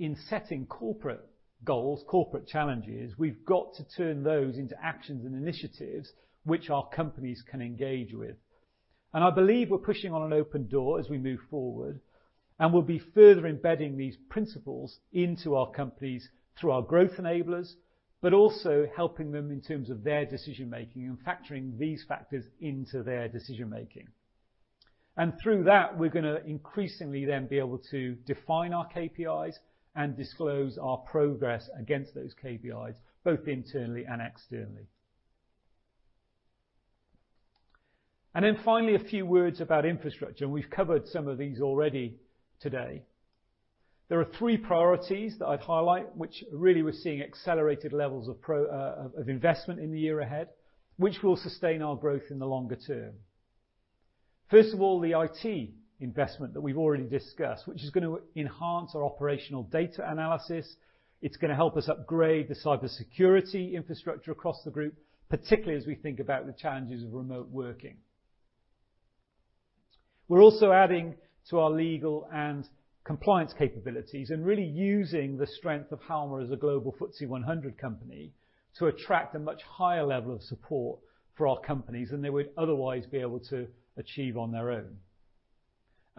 in setting corporate goals, corporate challenges, we've got to turn those into actions and initiatives which our companies can engage with. I believe we're pushing on an open door as we move forward, and we'll be further embedding these principles into our companies through our growth enablers, but also helping them in terms of their decision-making and factoring these factors into their decision-making. Through that, we're going to increasingly then be able to define our KPIs and disclose our progress against those KPIs, both internally and externally. Finally, a few words about infrastructure, and we've covered some of these already today. There are three priorities that I'd highlight, which really we're seeing accelerated levels of investment in the year ahead, which will sustain our growth in the longer term. First of all, the IT investment that we've already discussed, which is going to enhance our operational data analysis. It's going to help us upgrade the cybersecurity infrastructure across the group, particularly as we think about the challenges of remote working. We're also adding to our legal and compliance capabilities and really using the strength of Halma as a global FTSE 100 company to attract a much higher level of support for our companies than they would otherwise be able to achieve on their own.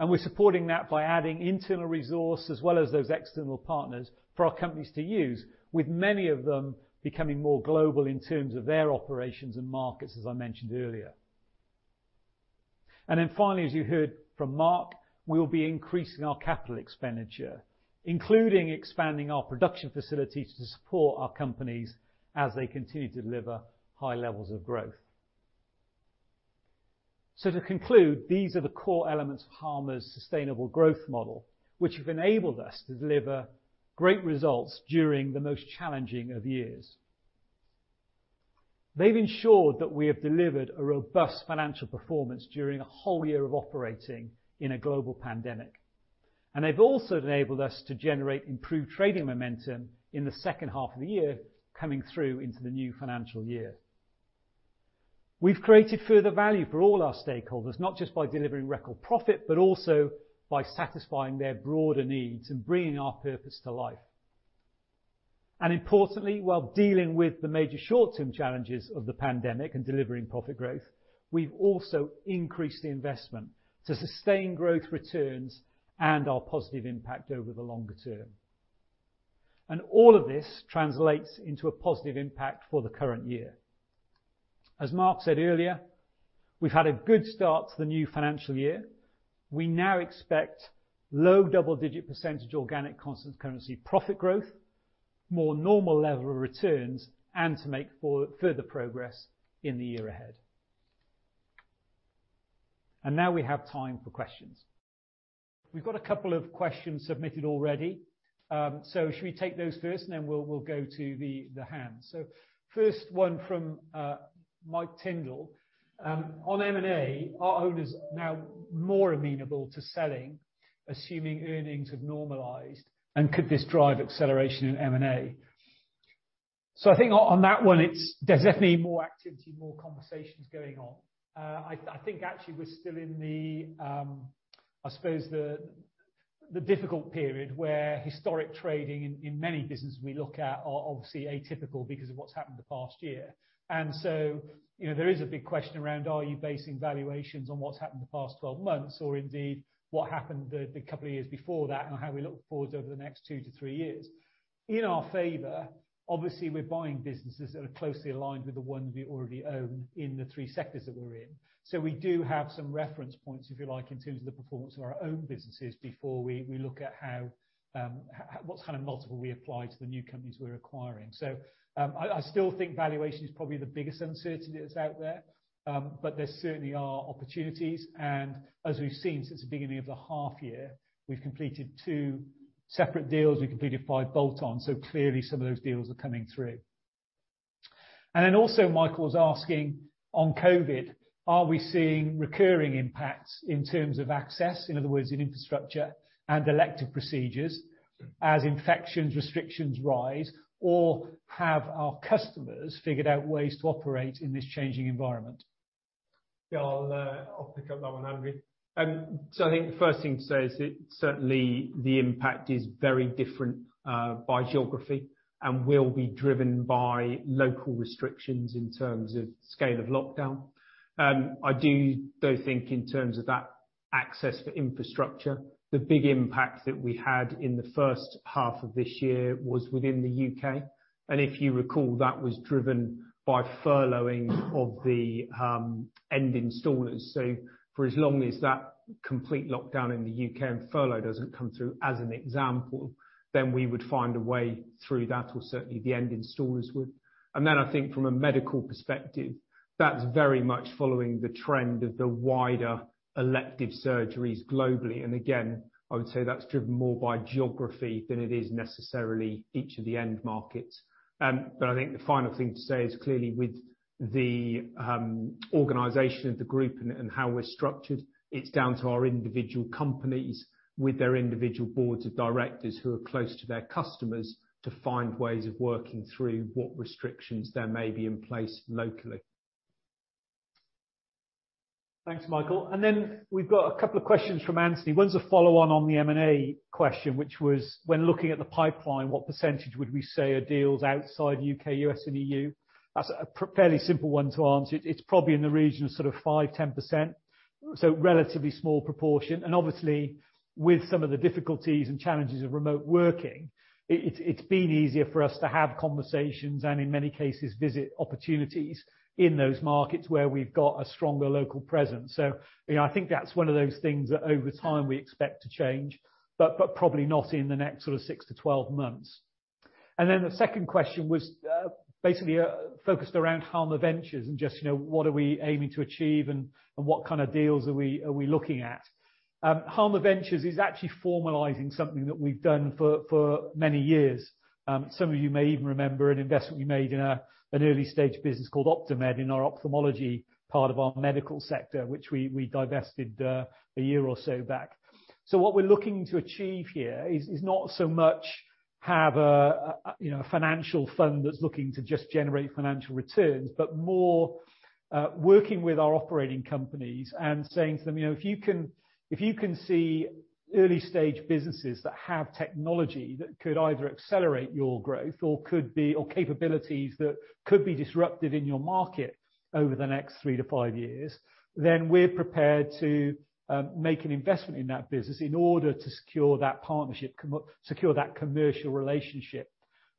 We're supporting that by adding internal resource as well as those external partners for our companies to use, with many of them becoming more global in terms of their operations and markets, as I mentioned earlier. Finally, as you heard from Mark, we'll be increasing our capital expenditure, including expanding our production facilities to support our companies as they continue to deliver high levels of growth. To conclude, these are the core elements of Halma's sustainable growth model, which have enabled us to deliver great results during the most challenging of years. They've ensured that we have delivered a robust financial performance during a whole year of operating in a global pandemic, and they've also enabled us to generate improved trading momentum in the second half of the year coming through into the new financial year. We've created further value for all our stakeholders, not just by delivering record profit, but also by satisfying their broader needs and bringing our purpose to life. Importantly, while dealing with the major short-term challenges of the pandemic and delivering profit growth, we've also increased the investment to sustain growth returns and our positive impact over the longer term. All of this translates into a positive impact for the current year. As Mark said earlier, we've had a good start to the new financial year. We now expect low double-digit % organic constant currency profit growth, more normal level of returns, and to make further progress in the year ahead. Now we have time for questions. We've got a couple of questions submitted already. Should we take those first, and then we'll go to the hand. First one from Mike Tyndall. On M&A, are owners now more amenable to selling, assuming earnings have normalized? Could this drive acceleration in M&A? I think on that one, there's definitely more activity, more conversations going on. I think actually we're still in the, I suppose the difficult period where historic trading in many businesses we look at are obviously atypical because of what's happened the past year. There is a big question around are you basing valuations on what's happened the past 12 months, or indeed, what happened the couple of years before that, and how we look forwards over the next two to three years. In our favor, obviously, we're buying businesses that are closely aligned with the ones we already own in the three sectors that we're in. We do have some reference points, if you like, in terms of the performance of our own businesses before we look at what kind of multiple we apply to the new companies we're acquiring. I still think valuation is probably the biggest uncertainty that's out there. There certainly are opportunities, and as we've seen since the beginning of the half year, we've completed two separate deals. We completed five bolt-ons. Clearly some of those deals are coming through. Michael was asking on COVID-19, are we seeing recurring impacts in terms of access? In other words, in infrastructure and elective procedures as infections, restrictions rise, or have our customers figured out ways to operate in this changing environment? I'll pick up that one, Andrew. I think the first thing to say is that certainly the impact is very different by geography and will be driven by local restrictions in terms of scale of lockdown. I do, though, think in terms of that access for infrastructure, the big impact that we had in the first half of this year was within the U.K., and if you recall, that was driven by furloughing of the end installers. For as long as that complete lockdown in the U.K. and furlough doesn't come through, as an example, then we would find a way through that, or certainly the end installers would. Then I think from a medical perspective, that's very much following the trend of the wider elective surgeries globally. Again, I would say that's driven more by geography than it is necessarily each of the end markets. I think the final thing to say is clearly with the organization of the group and how we're structured, it's down to our individual companies with their individual boards of directors who are close to their customers to find ways of working through what restrictions there may be in place locally. Thanks, Michael. We've got a couple of questions from Anthony. One's a follow-on the M&A question. When looking at the pipeline, what percentage would we say are deals outside U.K., U.S. and EU? That's a fairly simple one to answer. It's probably in the region of 5%-10%, so a relatively small proportion. Obviously, with some of the difficulties and challenges of remote working, it's been easier for us to have conversations and in many cases visit opportunities in those markets where we've got a stronger local presence. I think that's one of those things that over time we expect to change, but probably not in the next six to 12 months. The second question was basically focused around Halma Ventures and just what are we aiming to achieve and what kind of deals are we looking at. Halma Ventures is actually formalizing something that we've done for many years. Some of you may even remember an investment we made in an early-stage business called Optomed in our ophthalmology part of our Medical sector, which we divested a year or so back. What we're looking to achieve here is not so much have a financial fund that's looking to just generate financial returns, but more working with our operating companies and saying to them, "If you can see early stage businesses that have technology that could either accelerate your growth or capabilities that could be disruptive in your market over the next three to five years, then we're prepared to make an investment in that business in order to secure that commercial relationship."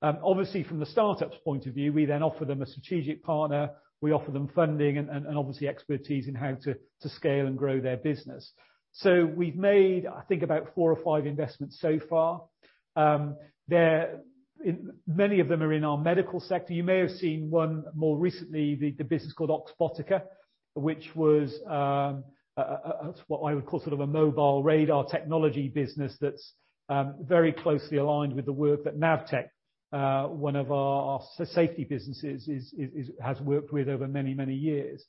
Obviously, from the startup's point of view, we offer them a strategic partner. We offer them funding and obviously expertise in how to scale and grow their business. We've made, I think about four or five investments so far. Many of them are in our Medical sector. You may have seen one more recently, the business called Oxbotica, which was what I would call a mobile radar technology business that's very closely aligned with the work that Navtech, one of our safety businesses has worked with over many, many years.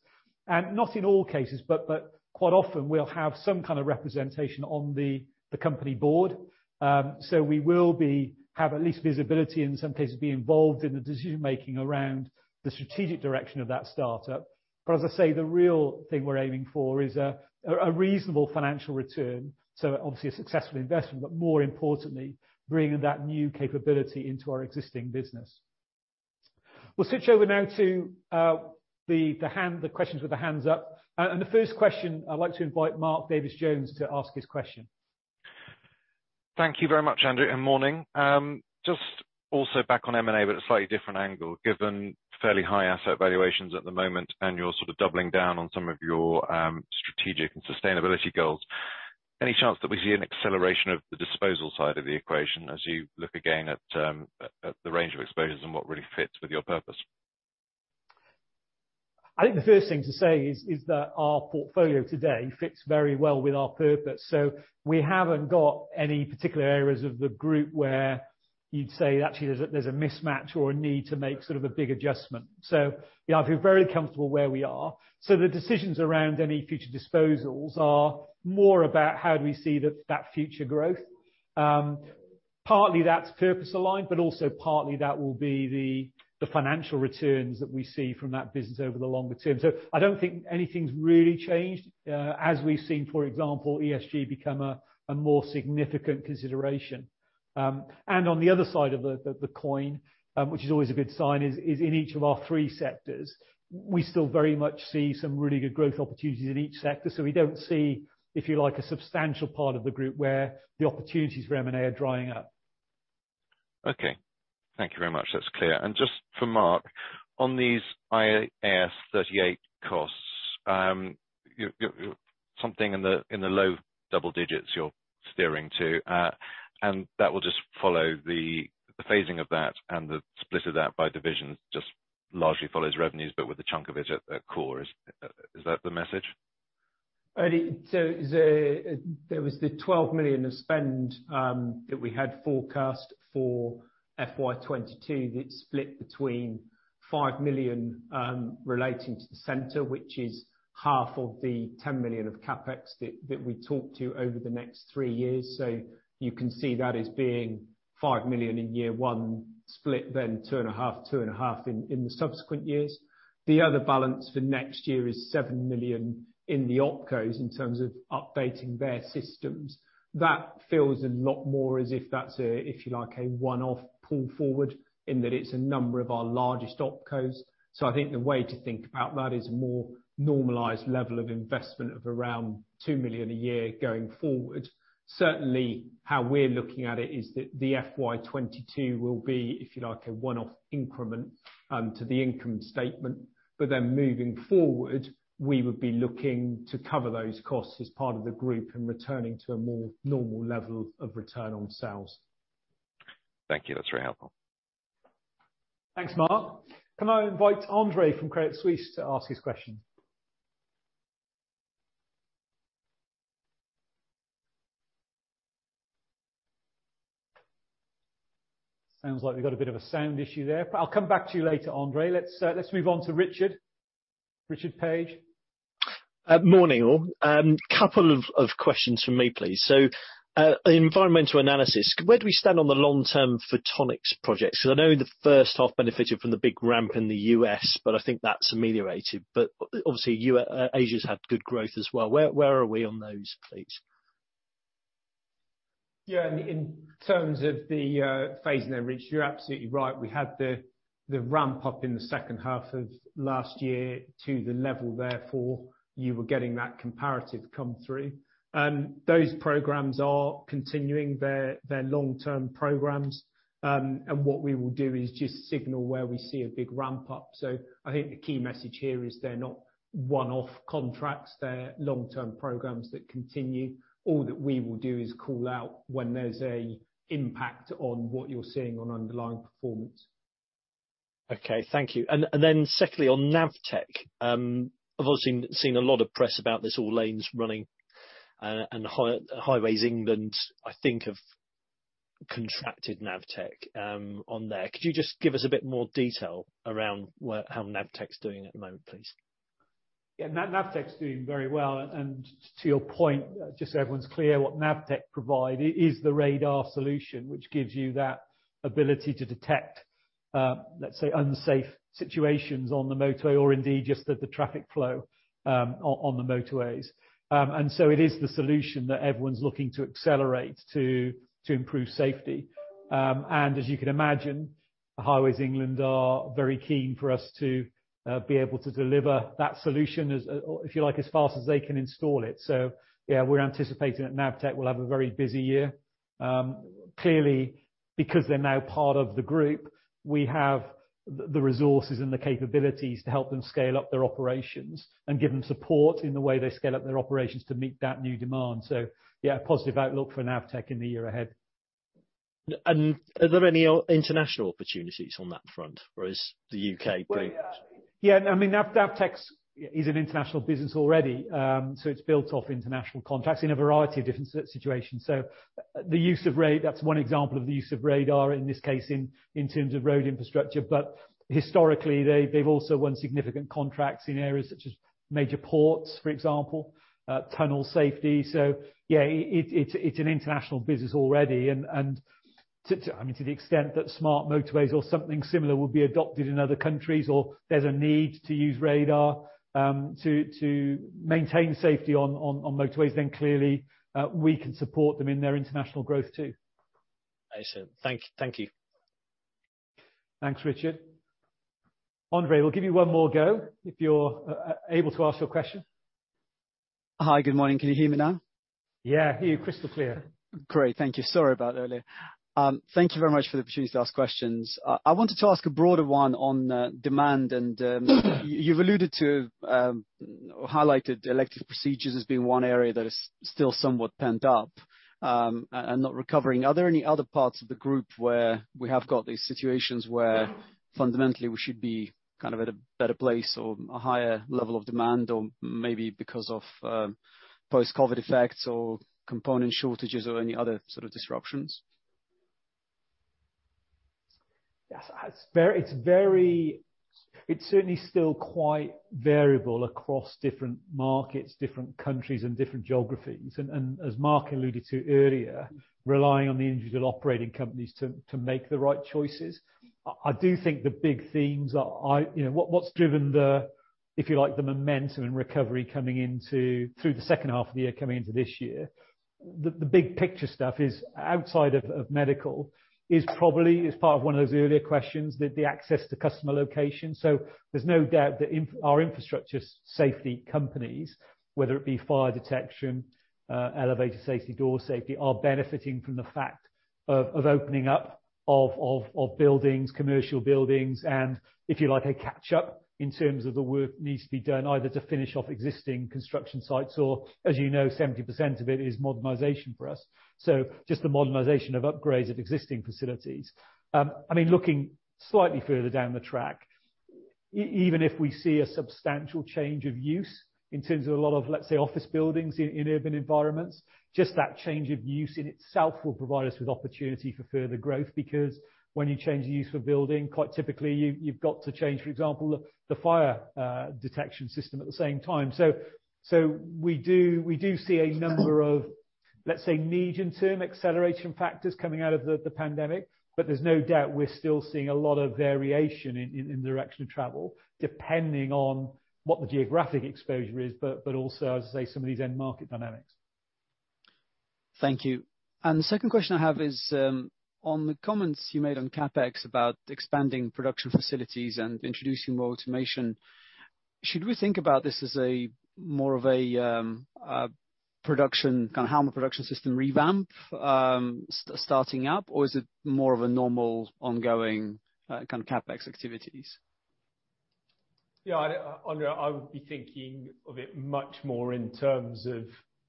Not in all cases, but quite often we'll have some kind of representation on the company board. We will have at least visibility, in some cases, be involved in the decision making around the strategic direction of that startup. As I say, the real thing we're aiming for is a reasonable financial return, so obviously a successful investment, but more importantly, bringing that new capability into our existing business. We'll switch over now to the questions with the hands up. The first question, I'd like to invite Mark Davies Jones to ask his question. Thank you very much, Andrew, and morning. Just also back on M&A, a slightly different angle, given fairly high asset valuations at the moment, you're sort of doubling down on some of your strategic and sustainability goals, any chance that we see an acceleration of the disposal side of the equation as you look again at the range of exposures and what really fits with your purpose? I think the first thing to say is that our portfolio today fits very well with our purpose. We haven't got any particular areas of the group where you'd say actually there's a mismatch or a need to make sort of a big adjustment. Yeah, I feel very comfortable where we are. The decisions around any future disposals are more about how do we see that future growth. Partly that's purpose-aligned, but also partly that will be the financial returns that we see from that business over the longer term. I don't think anything's really changed as we've seen, for example, ESG become a more significant consideration. On the other side of the coin, which is always a good sign, is in each of our three sectors, we still very much see some really good growth opportunities in each sector. We don't see, if you like, a substantial part of the group where the opportunities for M&A are drying up. Okay. Thank you very much. That's clear. Just for Mark, on these IAS 38 costs, something in the low double digits you're steering to, and that will just follow the phasing of that and the split of that by divisions, just largely follows revenues, but with a chunk of it at core. Is that the message? There was the 12 million of spend that we had forecast for FY 2022 that's split between 5 million relating to the center, which is half of the 10 million of CapEx that we talked to over the next three years. You can see that as being 5 million in year one split then 2.5, 2.5 in the subsequent years. The other balance for next year is 7 million in the opcos in terms of updating their systems. That feels a lot more as if that's a, if you like, a one-off pull forward in that it's a number of our largest opcos. I think the way to think about that is a more normalized level of investment of around 2 million a year going forward. Certainly, how we're looking at it is that the FY 2022 will be, if you like, a one-off increment to the income statement. Moving forward, we would be looking to cover those costs as part of the group and returning to a more normal level of return on sales. Thank you. That is very helpful. Thanks, Mark. Can I invite Andre from Credit Suisse to ask his question? Sounds like we've got a bit of a sound issue there, but I'll come back to you later, Andre. Let's move on to Richard. Richard Paige. Morning all. Couple of questions from me, please. Environmental & Analysis, where do we stand on the long-term Photonics projects? I know the first half benefited from the big ramp in the U.S., but I think that's ameliorated. Obviously, Asia's had good growth as well. Where are we on those, please? In terms of the phasing there, which you're absolutely right, we had the ramp-up in the 2nd half of last year to the level therefore you were getting that comparative come through. Those programs are continuing their long-term programs, and what we will do is just signal where we see a big ramp-up. I think the key message here is they're not 1-off contracts, they're long-term programs that continue. All that we will do is call out when there's an impact on what you're seeing on underlying performance. Okay, thank you. Then secondly, on Navtech. I've obviously seen a lot of press about this all lanes running and National Highways, I think, have contracted Navtech on there. Could you just give us a bit more detail around how Navtech's doing at the moment, please? Yeah, Navtech's doing very well. To your point, just so everyone's clear, what Navtech provide is the radar solution, which gives you that ability to detect, let's say, unsafe situations on the motorway or indeed just the traffic flow on the motorways. It is the solution that everyone's looking to accelerate to improve safety. As you can imagine, Highways England are very keen for us to be able to deliver that solution as, if you like, fast as they can install it. Yeah, we're anticipating that Navtech will have a very busy year. Clearly, because they're now part of the group, we have the resources and the capabilities to help them scale up their operations and give them support in the way they scale up their operations to meet that new demand. Yeah, positive outlook for Navtech in the year ahead. Are there any international opportunities on that front whereas the U.K.? Yeah. Navtech's is an international business already. It's built off international contracts in a variety of different situations. That's one example of the use of radar in this case in terms of road infrastructure. Historically, they've also won significant contracts in areas such as major ports, for example, tunnel safety. Yeah, it's an international business already and to the extent that smart motorways or something similar will be adopted in other countries or there's a need to use radar to maintain safety on motorways, then clearly we can support them in their international growth too. Excellent. Thank you. Thanks, Richard. Andre, we'll give you one more go if you're able to ask your question. Hi, good morning. Can you hear me now? Yeah, hear you crystal clear. Great. Thank you. Sorry about earlier. Thank you very much for the opportunity to ask questions. I wanted to ask a broader one on demand and you've highlighted elective procedures as being one area that is still somewhat pent up and not recovering. Are there any other parts of the group where we have got these situations where fundamentally we should be kind of at a better place or a higher level of demand or maybe because of post-COVID effects or component shortages or any other sort of disruptions? It's certainly still quite variable across different markets, different countries, and different geographies. As Mark alluded to earlier, relying on the individual operating companies to make the right choices. I do think the big themes are what's driven the, if you like, the momentum and recovery coming into, through the second half of the year, coming into this year. The big picture stuff is outside of Medical, is probably part of one of those earlier questions that the access to customer location. There's no doubt that our Infrastructure Safety companies, whether it be fire detection, elevator safety, door safety, are benefiting from the fact of opening up of buildings, commercial buildings, and if you like, a catch-up in terms of the work needs to be done either to finish off existing construction sites or as you know, 70% of it is modernization for us. Just the modernization of upgrades of existing facilities. Looking slightly further down the track, even if we see a substantial change of use in terms of a lot of, let's say, office buildings in urban environments, just that change of use in itself will provide us with opportunity for further growth. Because when you change the use of a building, quite typically, you've got to change, for example, the fire detection system at the same time. We do see a number of, let's say, medium-term acceleration factors coming out of the pandemic, but there's no doubt we're still seeing a lot of variation in direction of travel, depending on what the geographic exposure is, but also, as I say, some of these end market dynamics. Thank you. The second question I have is, on the comments you made on CapEx about expanding production facilities and introducing more automation, should we think about this as more of a production system revamp starting up, or is it more of a normal ongoing kind of CapEx activities? Yeah, Andre, I would be thinking of it much more in terms of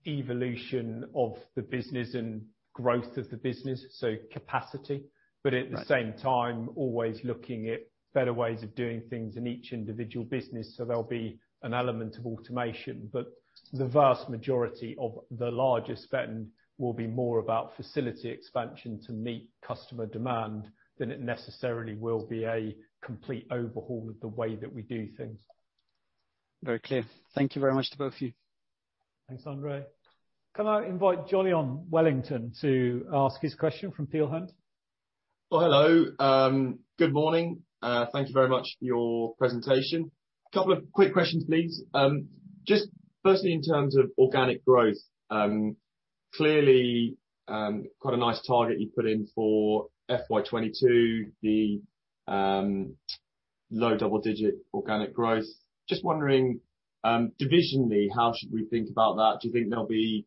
evolution of the business and growth of the business, so capacity. At the same time, always looking at better ways of doing things in each individual business. There'll be an element of automation, but the vast majority of the largest spend will be more about facility expansion to meet customer demand than it necessarily will be a complete overhaul of the way that we do things. Very clear. Thank you very much to both of you. Thanks, Andre. Can I invite Jolyon Wellington to ask his question from Peel Hunt? Hello. Good morning. Thank you very much for your presentation. Couple of quick questions, please. Firstly, in terms of organic growth, clearly, quite a nice target you put in for FY 2022, the low double-digit organic growth. Wondering, divisionally, how should we think about that?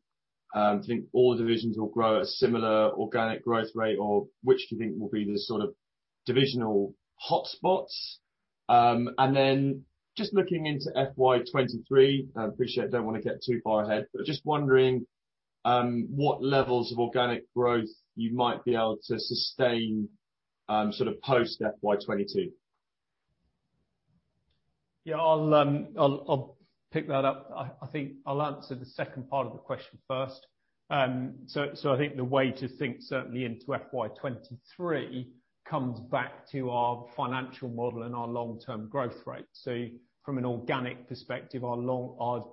Do you think all divisions will grow at a similar organic growth rate, or which do you think will be the sort of divisional hotspots? Looking into FY 2023, I appreciate I don't want to get too far ahead, but wondering what levels of organic growth you might be able to sustain sort of post FY 2022. Yeah, I'll pick that up. I think I'll answer the second part of the question first. I think the way to think certainly into FY 2023 comes back to our financial model and our long-term growth rate. From an organic perspective, our long,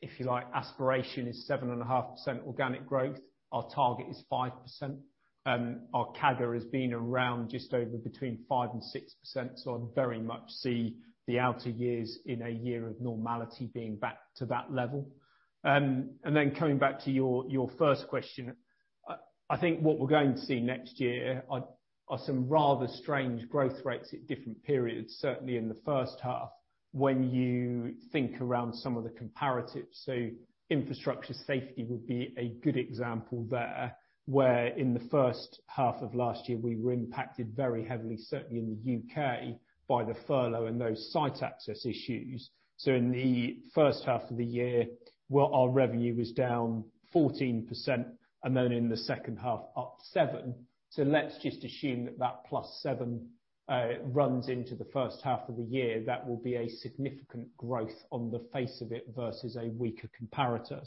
if you like, aspiration is 7.5% organic growth. Our target is 5%. Our CAGR has been around just over between 5%-6%, so I very much see the outer years in a year of normality being back to that level. Coming back to your first question, I think what we're going to see next year are some rather strange growth rates at different periods, certainly in the first half when you think around some of the comparatives. Infrastructure Safety would be a good example there, where in the first half of last year, we were impacted very heavily, certainly in the U.K., by the furlough and those site access issues. In the first half of the year, our revenue was down 14%, and then in the second half up 7%. Let's just assume that +7% runs into the first half of the year, that will be a significant growth on the face of it versus a weaker comparator.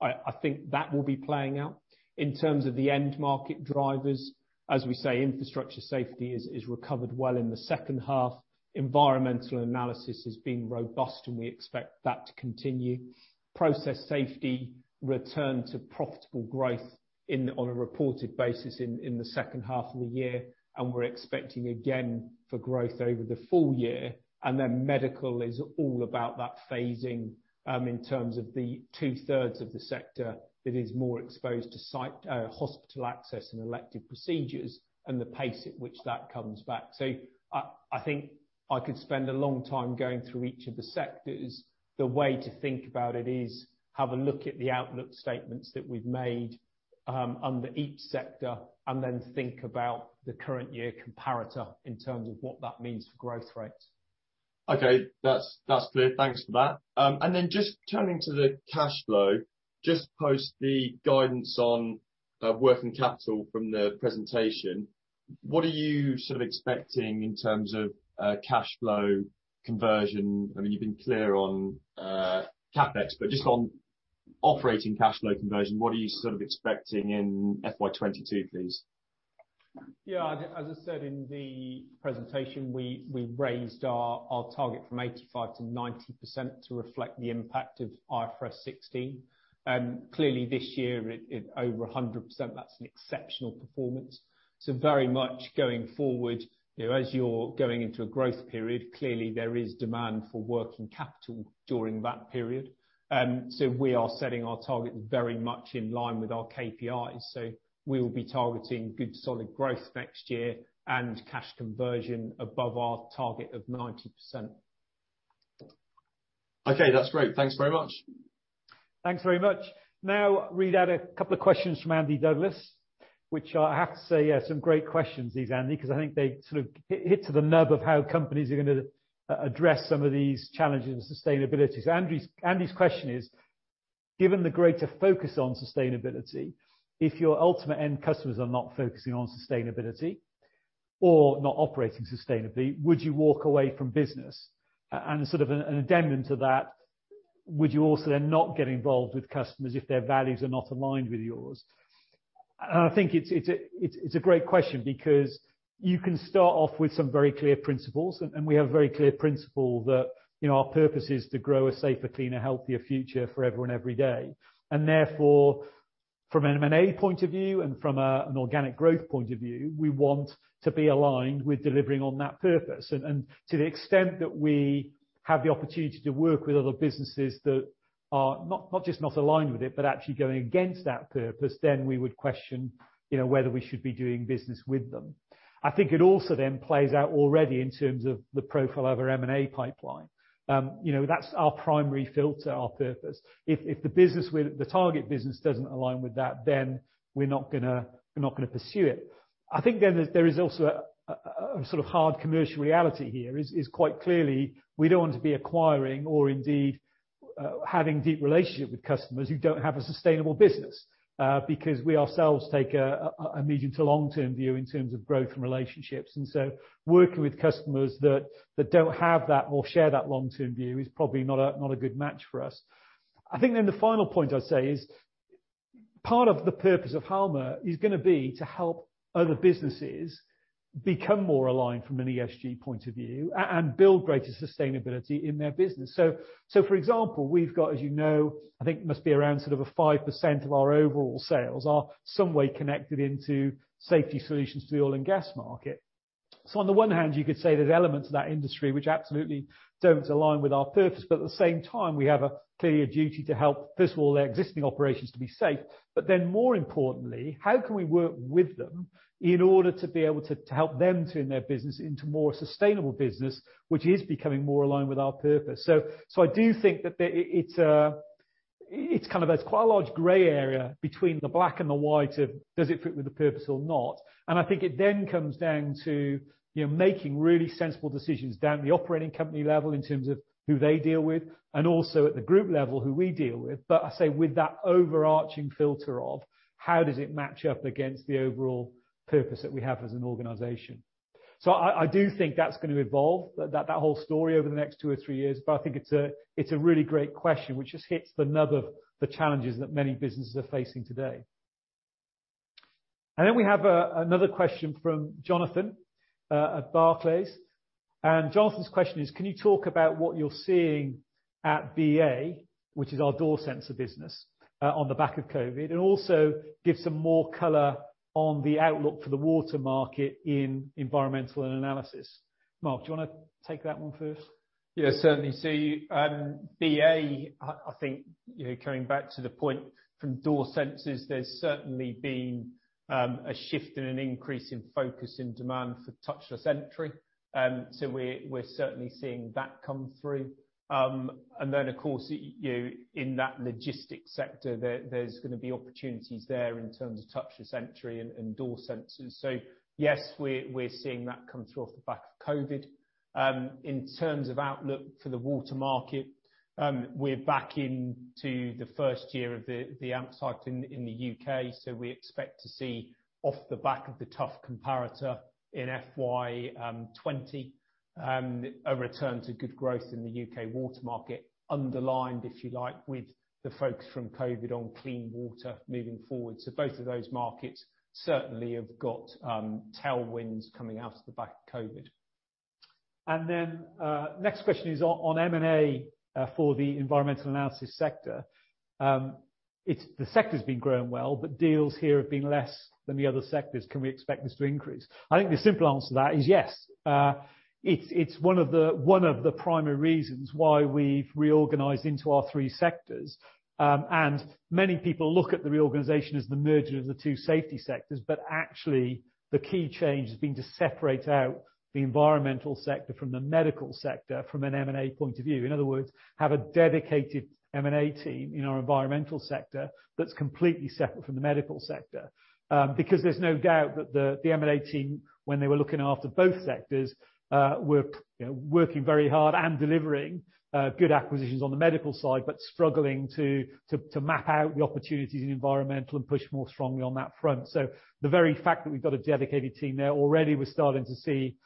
I think that will be playing out. In terms of the end market drivers, as we say, Infrastructure Safety has recovered well in the second half. Environmental & Analysis has been robust, and we expect that to continue. Process Safety returned to profitable growth on a reported basis in the second half of the year, and we're expecting again for growth over the full year. Medical is all about that phasing, in terms of the two-thirds of the sector that is more exposed to hospital access and elective procedures and the pace at which that comes back. I think I could spend a long time going through each of the sectors. The way to think about it is have a look at the outlook statements that we've made under each sector and then think about the current year comparator in terms of what that means for growth rates. Okay. That's clear. Thanks for that. Just turning to the cash flow, just post the guidance on working capital from the presentation, what are you sort of expecting in terms of cash flow conversion? I mean, you've been clear on CapEx. Operating cash flow conversion, what are you expecting in FY 2022, please? Yeah, as I said in the presentation, we raised our target from 85%-90% to reflect the impact of IFRS 16. This year, over 100%, that's an exceptional performance. Very much going forward, as you're going into a growth period, clearly there is demand for working capital during that period. We are setting our targets very much in line with our KPIs. We'll be targeting good, solid growth next year and cash conversion above our target of 90%. Okay. That's great. Thanks very much. We've had a couple of questions from Andrew Douglas, which I have to say, are some great questions these, Andy, because I think they hit to the nub of how companies are going to address some of these challenges in sustainability. Andy's question is, "Given the greater focus on sustainability, if your ultimate end customers are not focusing on sustainability or not operating sustainably, would you walk away from business?" An addendum to that, "Would you also then not get involved with customers if their values are not aligned with yours?" I think it's a great question because you can start off with some very clear principles, and we have a very clear principle that our purpose is to grow a safer, cleaner, healthier future for everyone every day. Therefore, from an M&A point of view and from an organic growth point of view, we want to be aligned with delivering on that purpose. To the extent that we have the opportunity to work with other businesses that are not just not aligned with it, but actually going against that purpose, then we would question whether we should be doing business with them. It also then plays out already in terms of the profile of our M&A pipeline. That’s our primary filter, our purpose. If the target business doesn’t align with that, then we’re not going to pursue it. There is also a hard commercial reality here is quite clearly we don’t want to be acquiring or indeed having deep relationships with customers who don’t have a sustainable business. Because we ourselves take a medium to long-term view in terms of growth and relationships. Working with customers that don’t have that or share that long-term view is probably not a good match for us. I think the final point I'd say is part of the purpose of Halma is going to be to help other businesses become more aligned from an ESG point of view and build greater sustainability in their business. For example, we've got, as you know, I think it must be around 5% of our overall sales are some way connected into safety solutions to the oil and gas market. On the one hand, you could say there's elements of that industry which absolutely don't align with our purpose, but at the same time, we have a clear duty to help, first of all, their existing operations to be safe. More importantly, how can we work with them in order to be able to help them turn their business into a more sustainable business, which is becoming more aligned with our purpose? I do think that it's quite a large gray area between the black and the white of does it fit with the purpose or not. I think it then comes down to making really sensible decisions down at the operating company level in terms of who they deal with and also at the group level who we deal with. I say with that overarching filter of how does it match up against the overall purpose that we have as an organization. I do think that's going to evolve, that whole story over the next two or three years, but I think it's a really great question which just hits the nub of the challenges that many businesses are facing today. We have another question from Jonathan at Barclays. Jonathan's question is, "Can you talk about what you're seeing at BEA, which is our door sensor business, on the back of COVID? Also give some more color on the outlook for the water market in Environmental & Analysis." Mark, do you want to take that one first? Yeah, certainly. BEA, I think coming back to the point from door sensors, there's certainly been a shift and an increase in focus in demand for touchless entry. We're certainly seeing that come through. Then, of course, in that logistics sector, there's going to be opportunities there in terms of touchless entry and door sensors. Yes, we're seeing that come through off the back of COVID. In terms of outlook for the water market, we're back into the first year of the upside in the U.K. We expect to see off the back of the tough comparator in FY 2020, a return to good growth in the U.K. Water market underlined, if you like, with the focus from COVID-19 on clean water moving forward. Both of those markets certainly have got tailwinds coming out of the back of COVID-19. Next question is on M&A for the Environmental & Analysis sector. The sector's been growing well, Deals here have been less than the other sectors. Can we expect this to increase? I think the simple answer to that is yes. It's one of the primary reasons why we've reorganized into our three sectors, and many people look at the reorganization as the merging of the two safety sectors. Actually the key change has been to separate out the Environmental sector from the Medical sector from an M&A point of view. In other words, have a dedicated M&A team in our Environmental sector that's completely separate from the Medical sector. There's no doubt that the M&A team, when they were looking after both sectors were working very hard and delivering good acquisitions on the Medical side, but struggling to map out the opportunities in Environmental and push more strongly on that front. The very fact that we've got a dedicated team there already, we're starting to see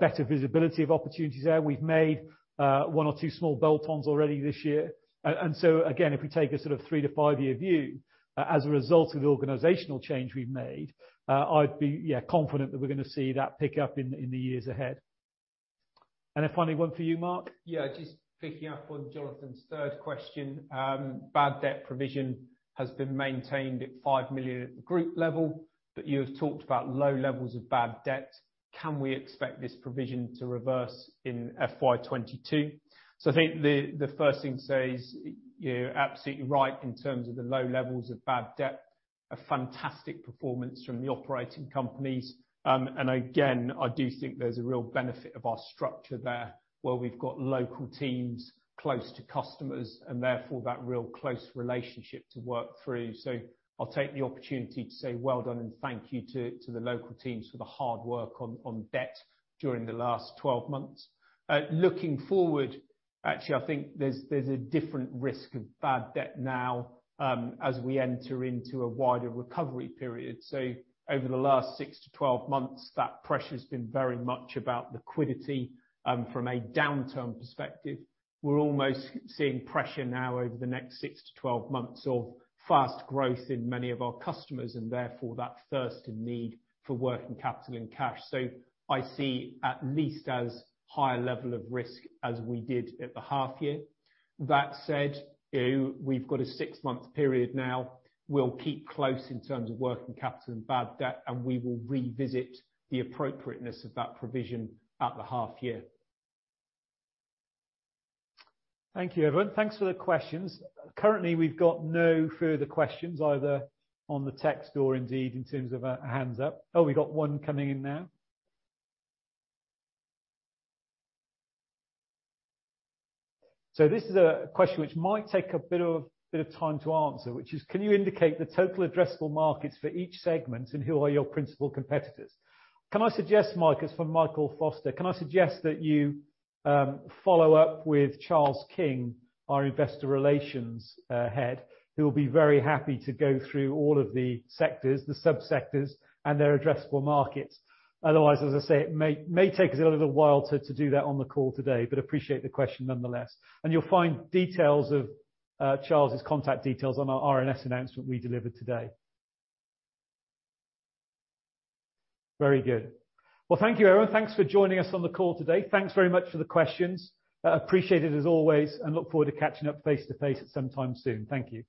better visibility of opportunities there. One or two small bolt-ons already this year. Again, if we take a sort of three to five-year view, as a result of the organizational change we've made, I'd be, yeah, confident that we're going to see that pick up in the years ahead. Finally, one for you, Mark. Just picking up on Jonathan's third question. Bad debt provision has been maintained at 5 million group level, but you have talked about low levels of bad debt. Can we expect this provision to reverse in FY 2022? I think the first thing to say is, you're absolutely right in terms of the low levels of bad debt, a fantastic performance from the operating companies. Again, I do think there's a real benefit of our structure there, where we've got local teams close to customers and therefore that real close relationship to work through. I'll take the opportunity to say well done and thank you to the local teams for the hard work on debt during the last 12 months. Looking forward, actually, I think there's a different risk of bad debt now as we enter into a wider recovery period. Over the last six to 12 months, that pressure has been very much about liquidity from a downturn perspective. We're almost seeing pressure now over the next six to 12 months of fast growth in many of our customers and therefore that thirst and need for working capital and cash. I see at least as high a level of risk as we did at the half year. That said, we've got a six-month period now. We'll keep close in terms of working capital and bad debt, and we will revisit the appropriateness of that provision at the half year. Thank you, everyone. Thanks for the questions. Currently, we've got no further questions, either on the text or indeed in terms of a hands up. Oh, we got one coming in now. This is a question which might take a bit of time to answer, which is, can you indicate the total addressable markets for each segment, and who are your principal competitors? Can I suggest, Mike, it's from Michael Foster, can I suggest that you follow up with Charles King, our Investor Relations Head, who will be very happy to go through all of the sectors, the sub-sectors, and their addressable markets. Otherwise, as I say, it may take us a little while to do that on the call today, but appreciate the question nonetheless. You'll find details of Charles' contact details on our RNS announcement we delivered today. Very good. Well, thank you, everyone. Thanks for joining us on the call today. Thanks very much for the questions. Appreciate it as always, and look forward to catching up face-to-face sometime soon. Thank you.